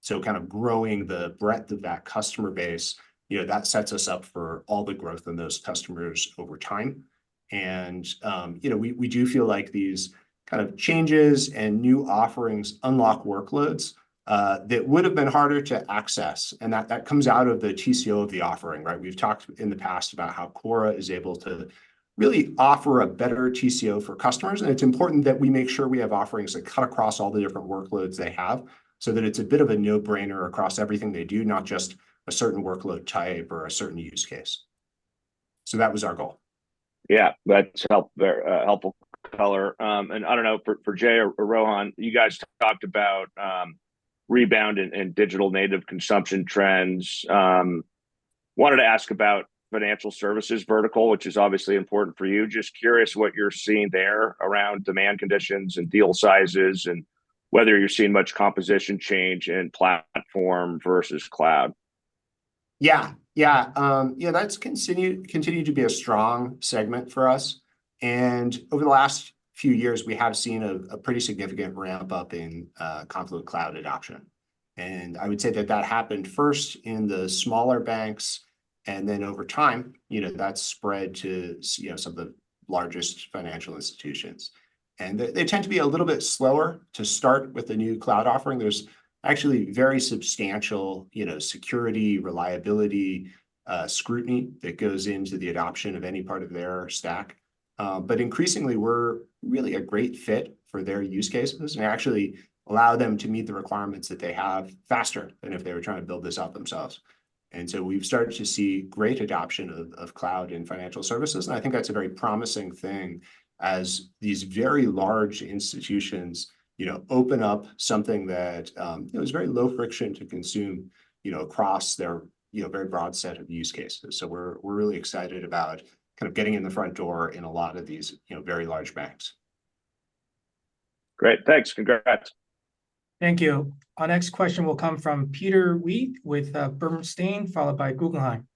So kind of growing the breadth of that customer base, you know, that sets us up for all the growth in those customers over time. You know, we do feel like these kind of changes and new offerings unlock workloads that would have been harder to access, and that comes out of the TCO of the offering, right? We've talked in the past about how Kora is able to really offer a better TCO for customers, and it's important that we make sure we have offerings that cut across all the different workloads they have, so that it's a bit of a no-brainer across everything they do, not just a certain workload type or a certain use case. So that was our goal. Yeah, that's helpful, very helpful color. And I don't know, for Jay or Rohan, you guys talked about rebound and digital native consumption trends. Wanted to ask about financial services vertical, which is obviously important for you. Just curious what you're seeing there around demand conditions and deal sizes, and whether you're seeing much composition change in platform versus cloud. Yeah, yeah. Yeah, that's continued to be a strong segment for us. And over the last few years, we have seen a pretty significant ramp-up in Confluent Cloud adoption. And I would say that that happened first in the smaller banks, and then over time, you know, that spread to some of the largest financial institutions. And they tend to be a little bit slower to start with the new cloud offering. There's actually very substantial, you know, security, reliability scrutiny that goes into the adoption of any part of their stack. But increasingly, we're really a great fit for their use cases, and actually allow them to meet the requirements that they have faster than if they were trying to build this out themselves. So we've started to see great adoption of cloud in financial services, and I think that's a very promising thing as these very large institutions, you know, open up something that it was very low friction to consume, you know, across their, you know, very broad set of use cases. So we're really excited about kind of getting in the front door in a lot of these, you know, very large banks. Great. Thanks. Congrats. Thank you. Our next question will come from Peter Weed with Bernstein, followed by Guggenheim.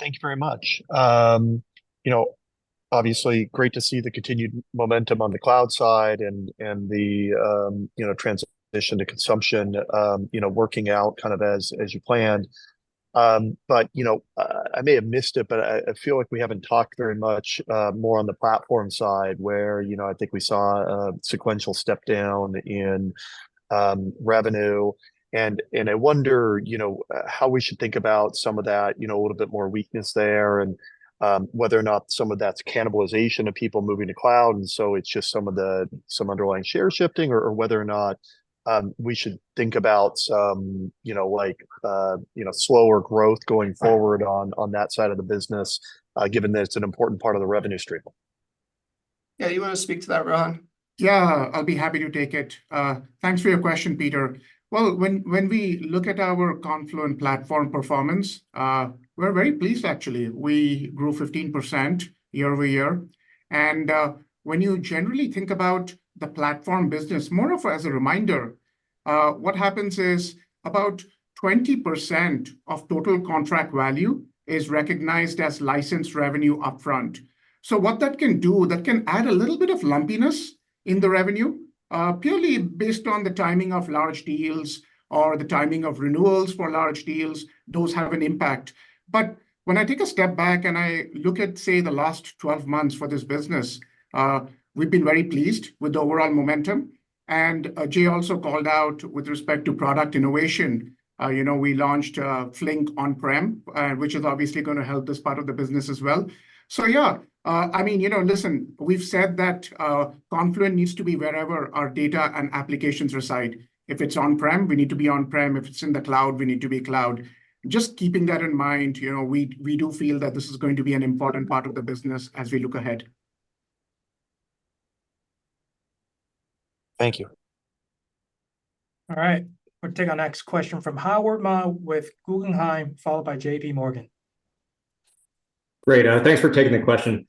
Thank you very much. You know, obviously, great to see the continued momentum on the cloud side and the, you know, transition to consumption, you know, working out kind of as you planned. But, you know, I may have missed it, but I feel like we haven't talked very much more on the platform side, where, you know, I think we saw a sequential step down in revenue. I wonder, you know, how we should think about some of that, you know, a little bit more weakness there, and whether or not some of that's cannibalization of people moving to cloud, and so it's just some underlying share shifting, or whether or not we should think about some, you know, like, you know, slower growth going forward on that side of the business, given that it's an important part of the revenue stream? .Yeah, you wanna speak to that, Rohan? Yeah, I'll be happy to take it. Thanks for your question, Peter. Well, when we look at our Confluent Platform performance, we're very pleased, actually. We grew 15% year-over-year, and when you generally think about the platform business, more of as a reminder, what happens is about 20% of total contract value is recognized as licensed revenue upfront. So what that can do, that can add a little bit of lumpiness in the revenue, purely based on the timing of large deals or the timing of renewals for large deals, those have an impact. But when I take a step back and I look at, say, the last 12 months for this business, we've been very pleased with the overall momentum. Jay also called out, with respect to product innovation, you know, we launched Flink on-prem, which is obviously gonna help this part of the business as well. So yeah, I mean, you know, listen, we've said that Confluent needs to be wherever our data and applications reside. If it's on-prem, we need to be on-prem. If it's in the cloud, we need to be cloud. Just keeping that in mind, you know, we do feel that this is going to be an important part of the business as we look ahead. Thank you. All right, we'll take our next question from Howard Ma with Guggenheim, followed by J.P. Morgan. Great. Thanks for taking the question.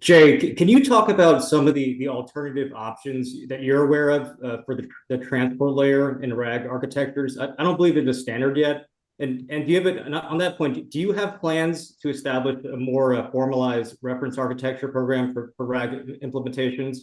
Jay, can you talk about some of the alternative options that you're aware of for the transport layer in RAG architectures? I don't believe they're the standard yet. And on that point, do you have plans to establish a more formalized reference architecture program for RAG implementations,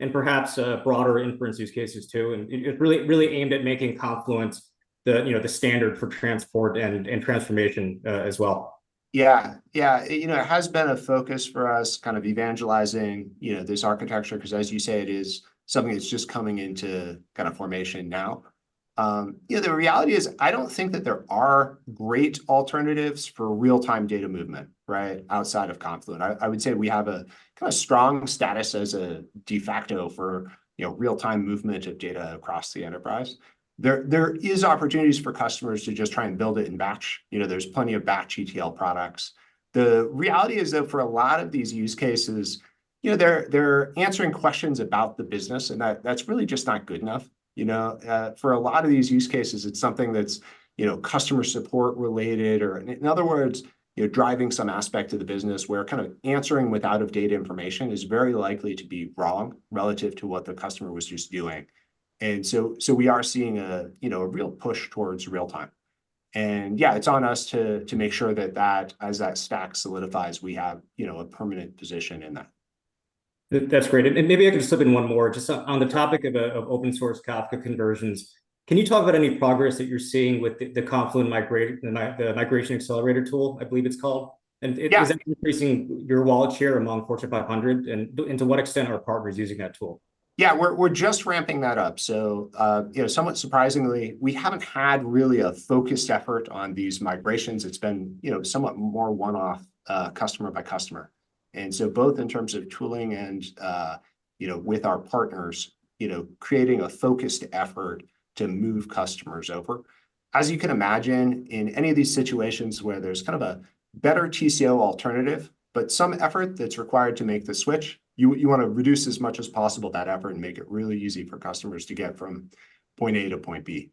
and perhaps broader inference use cases too, and it really aimed at making Confluent the, you know, the standard for transport and transformation as well? Yeah, yeah. It, you know, it has been a focus for us, kind of evangelizing, you know, this architecture, 'cause as you say, it is something that's just coming into kind of formation now. You know, the reality is, I don't think that there are great alternatives for real-time data movement, right, outside of Confluent. I, I would say we have a kind of strong status as a de facto for, you know, real-time movement of data across the enterprise. There, there is opportunities for customers to just try and build it in batch. You know, there's plenty of batch ETL products. The reality is, though, for a lot of these use cases, you know, they're, they're answering questions about the business, and that, that's really just not good enough. You know, for a lot of these use cases, it's something that's, you know, customer support related, or... In other words, you're driving some aspect of the business where kind of answering with out-of-date information is very likely to be wrong, relative to what the customer was just doing. And so we are seeing a, you know, a real push towards real time. And yeah, it's on us to make sure that, as that stack solidifies, we have, you know, a permanent position in that. That's great. And maybe I can just slip in one more. Just on the topic of open source Kafka conversions, can you talk about any progress that you're seeing with the Confluent Migration Accelerator tool, I believe it's called? Yeah. Is it increasing your wallet share among Fortune 500, and to what extent are partners using that tool? Yeah, we're just ramping that up. So, you know, somewhat surprisingly, we haven't had really a focused effort on these migrations. It's been, you know, somewhat more one-off, customer by customer. And so both in terms of tooling and, you know, with our partners, you know, creating a focused effort to move customers over. As you can imagine, in any of these situations where there's kind of a better TCO alternative, but some effort that's required to make the switch, you wanna reduce as much as possible that effort, and make it really easy for customers to get from point A to point B.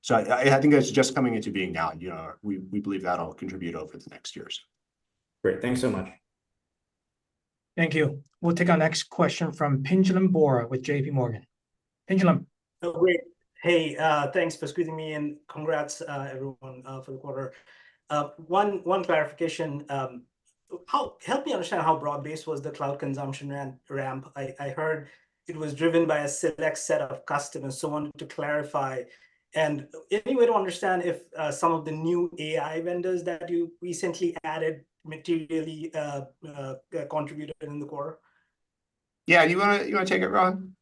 So I think that's just coming into being now, you know, we believe that'll contribute over the next years. Great. Thanks so much. Thank you. We'll take our next question from Pinjalim Bora with J.P. Morgan. Pinjalim? Oh, great. Hey, thanks for squeezing me in, congrats, everyone, for the quarter. One clarification, how... Help me understand how broad-based was the cloud consumption ramp? I heard it was driven by a select set of customers. So I wanted to clarify. And any way to understand if some of the new AI vendors that you recently added materially contributed in the quarter? Yeah. You want to, take it, Rohan?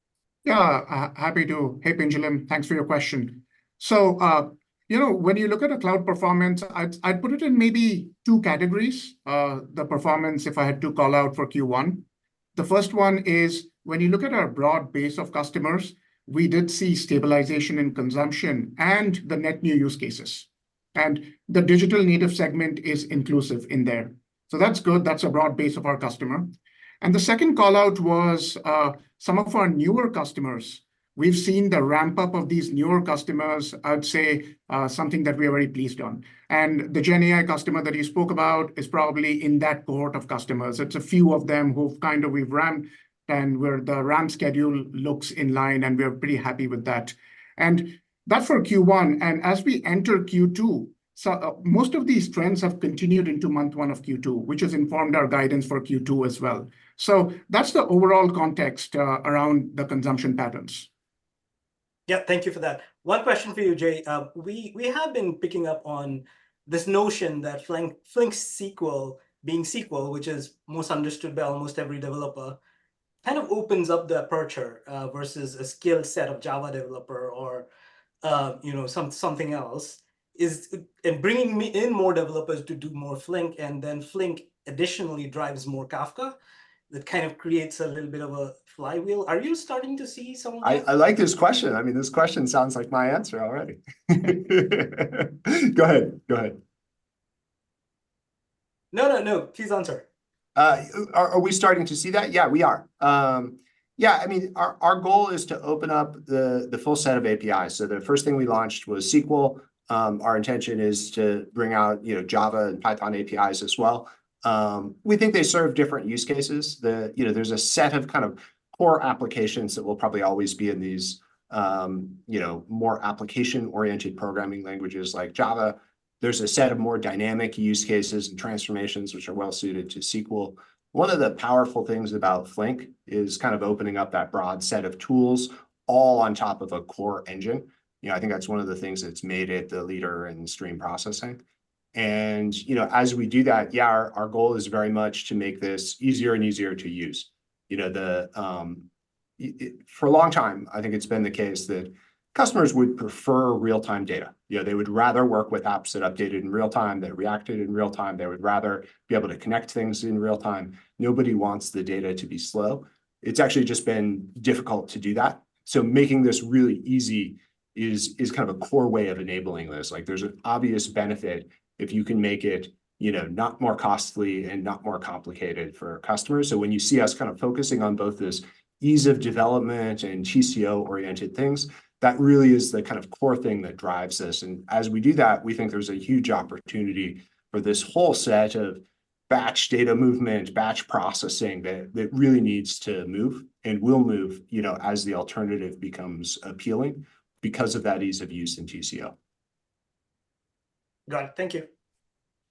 Yeah, happy to. Hey, Pinjalim, thanks for your question. So, you know, when you look at the cloud performance, I'd, I'd put it in maybe two categories, the performance, if I had to call out for Q1. The first one is, when you look at our broad base of customers, we did see stabilization in consumption and the net new use cases, and the digital native segment is inclusive in there. So that's good, that's a broad base of our customer. And the second call-out was, some of our newer customers. We've seen the ramp-up of these newer customers, I'd say, something that we are very pleased on. And the GenAI customer that you spoke about is probably in that cohort of customers. It's a few of them who've kind of ramped, and where the ramp schedule looks in line, and we are pretty happy with that. That's for Q1, and as we enter Q2, so most of these trends have continued into month one of Q2, which has informed our guidance for Q2 as well. That's the overall context around the consumption patterns. Yeah. Thank you for that. One question for you, Jay. We have been picking up on this notion that Flink, Flink SQL being SQL, which is most understood by almost every developer, kind of opens up the aperture versus a skill set of Java developer or you know, something else. And bringing in more developers to do more Flink, and then Flink additionally drives more Kafka, that kind of creates a little bit of a flywheel. Are you starting to see some of that? I like this question. I mean, this question sounds like my answer already. Go ahead. Go ahead. No, no, no, please answer. Are we starting to see that? Yeah, we are. Yeah, I mean, our goal is to open up the full set of APIs. So the first thing we launched was SQL. Our intention is to bring out, you know, Java and Python APIs as well. We think they serve different use cases. You know, there's a set of kind of core applications that will probably always be in these, you know, more application-oriented programming languages like Java. There's a set of more dynamic use cases and transformations which are well-suited to SQL. One of the powerful things about Flink is kind of opening up that broad set of tools all on top of a core engine. You know, I think that's one of the things that's made it the leader in stream processing. You know, as we do that, yeah, our goal is very much to make this easier and easier to use. You know, for a long time, I think it's been the case that customers would prefer real-time data. You know, they would rather work with apps that updated in real time, that reacted in real time. They would rather be able to connect things in real time. Nobody wants the data to be slow. It's actually just been difficult to do that, so making this really easy is kind of a core way of enabling this. Like, there's an obvious benefit if you can make it, you know, not more costly and not more complicated for customers. So when you see us kind of focusing on both this ease of development and TCO-oriented things, that really is the kind of core thing that drives us, and as we do that, we think there's a huge opportunity for this whole set of batch data movement, batch processing that really needs to move, and will move, you know, as the alternative becomes appealing because of that ease of use in TCO. Got it. Thank you.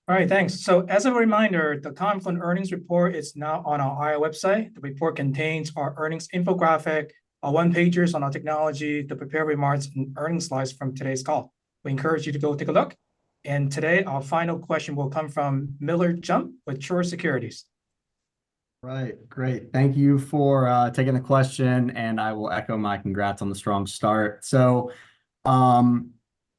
All right, thanks. As a reminder, the Confluent earnings report is now on our IR website. The report contains our earnings infographic, our one-pagers on our technology, the prepared remarks, and earnings slides from today's call. We encourage you to go take a look. Today, our final question will come from Miller Jump with Truist Securities. Right. Great. Thank you for taking the question, and I will echo my congrats on the strong start. So,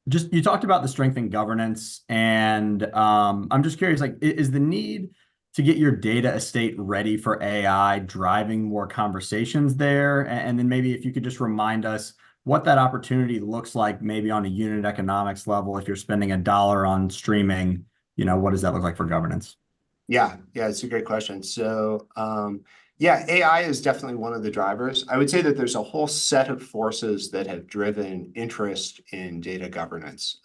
just. You talked about the strength in governance, and, I'm just curious, like, is the need to get your data estate ready for AI driving more conversations there? And then maybe if you could just remind us what that opportunity looks like, maybe on a unit economics level, if you're spending $1 on streaming, you know, what does that look like for governance? Yeah. Yeah, it's a great question. So, yeah, AI is definitely one of the drivers. I would say that there's a whole set of forces that have driven interest in data governance.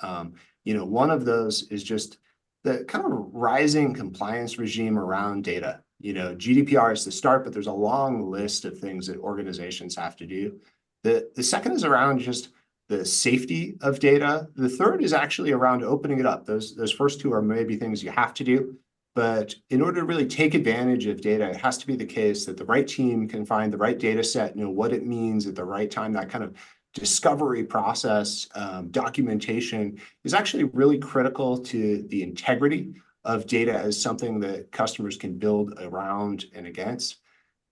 You know, one of those is just the kind of rising compliance regime around data. You know, GDPR is the start, but there's a long list of things that organizations have to do. The second is around just the safety of data. The third is actually around opening it up. Those first two are maybe things you have to do, but in order to really take advantage of data, it has to be the case that the right team can find the right data set, know what it means at the right time. That kind of discovery process, documentation, is actually really critical to the integrity of data as something that customers can build around and against.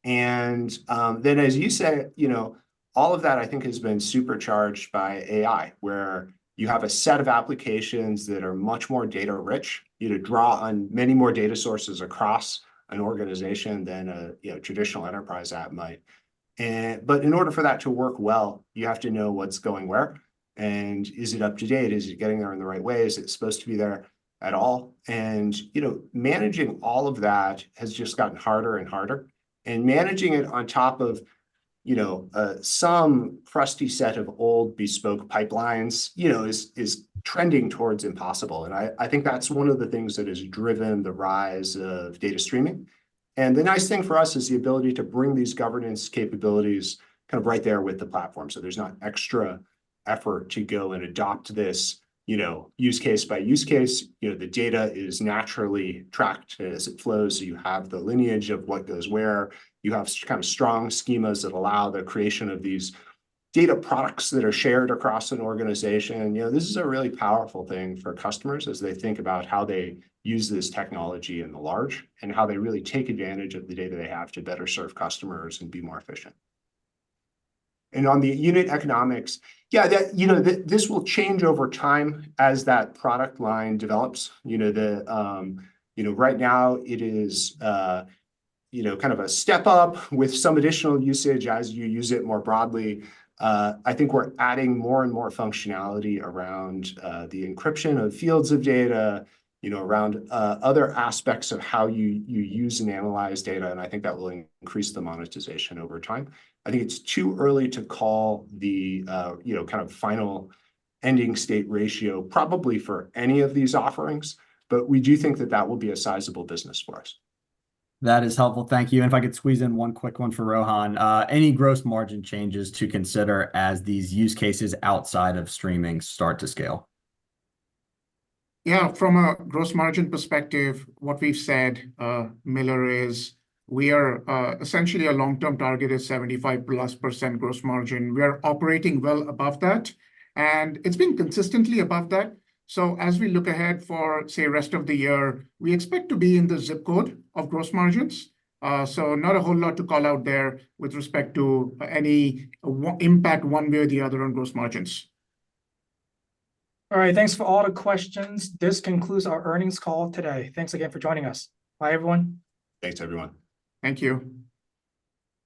And, then as you said, you know, all of that I think has been supercharged by AI, where you have a set of applications that are much more data rich. You'd draw on many more data sources across an organization than a, you know, traditional enterprise app might. And but in order for that to work well, you have to know what's going where, and is it up to date? Is it getting there in the right way? Is it supposed to be there at all? You know, managing all of that has just gotten harder and harder, and managing it on top of, you know, some trusty set of old bespoke pipelines, you know, is trending towards impossible, and I think that's one of the things that has driven the rise of data streaming. The nice thing for us is the ability to bring these governance capabilities kind of right there with the platform, so there's not extra effort to go and adopt this, you know, use case by use case. You know, the data is naturally tracked as it flows, so you have the lineage of what goes where. You have kind of strong schemas that allow the creation of these data products that are shared across an organization. You know, this is a really powerful thing for customers as they think about how they use this technology in the large, and how they really take advantage of the data they have to better serve customers and be more efficient. And on the unit economics, yeah, that, you know, this will change over time as that product line develops. You know, right now it is, you know, kind of a step up with some additional usage as you use it more broadly. I think we're adding more and more functionality around the encryption of fields of data, you know, around other aspects of how you use and analyze data, and I think that will increase the monetization over time. I think it's too early to call the, you know, kind of final ending state ratio, probably for any of these offerings, but we do think that that will be a sizable business for us. That is helpful. Thank you. If I could squeeze in one quick one for Rohan. Any gross margin changes to consider as these use cases outside of streaming start to scale? Yeah, from a gross margin perspective, what we've said, Miller, is we are essentially our long-term target is 75%+ gross margin. We are operating well above that, and it's been consistently above that. So as we look ahead for, say, rest of the year, we expect to be in the zip code of gross margins. So not a whole lot to call out there with respect to any impact one way or the other on gross margins. All right. Thanks for all the questions. This concludes our earnings call today. Thanks again for joining us. Bye, everyone. Thanks, everyone. Thank you.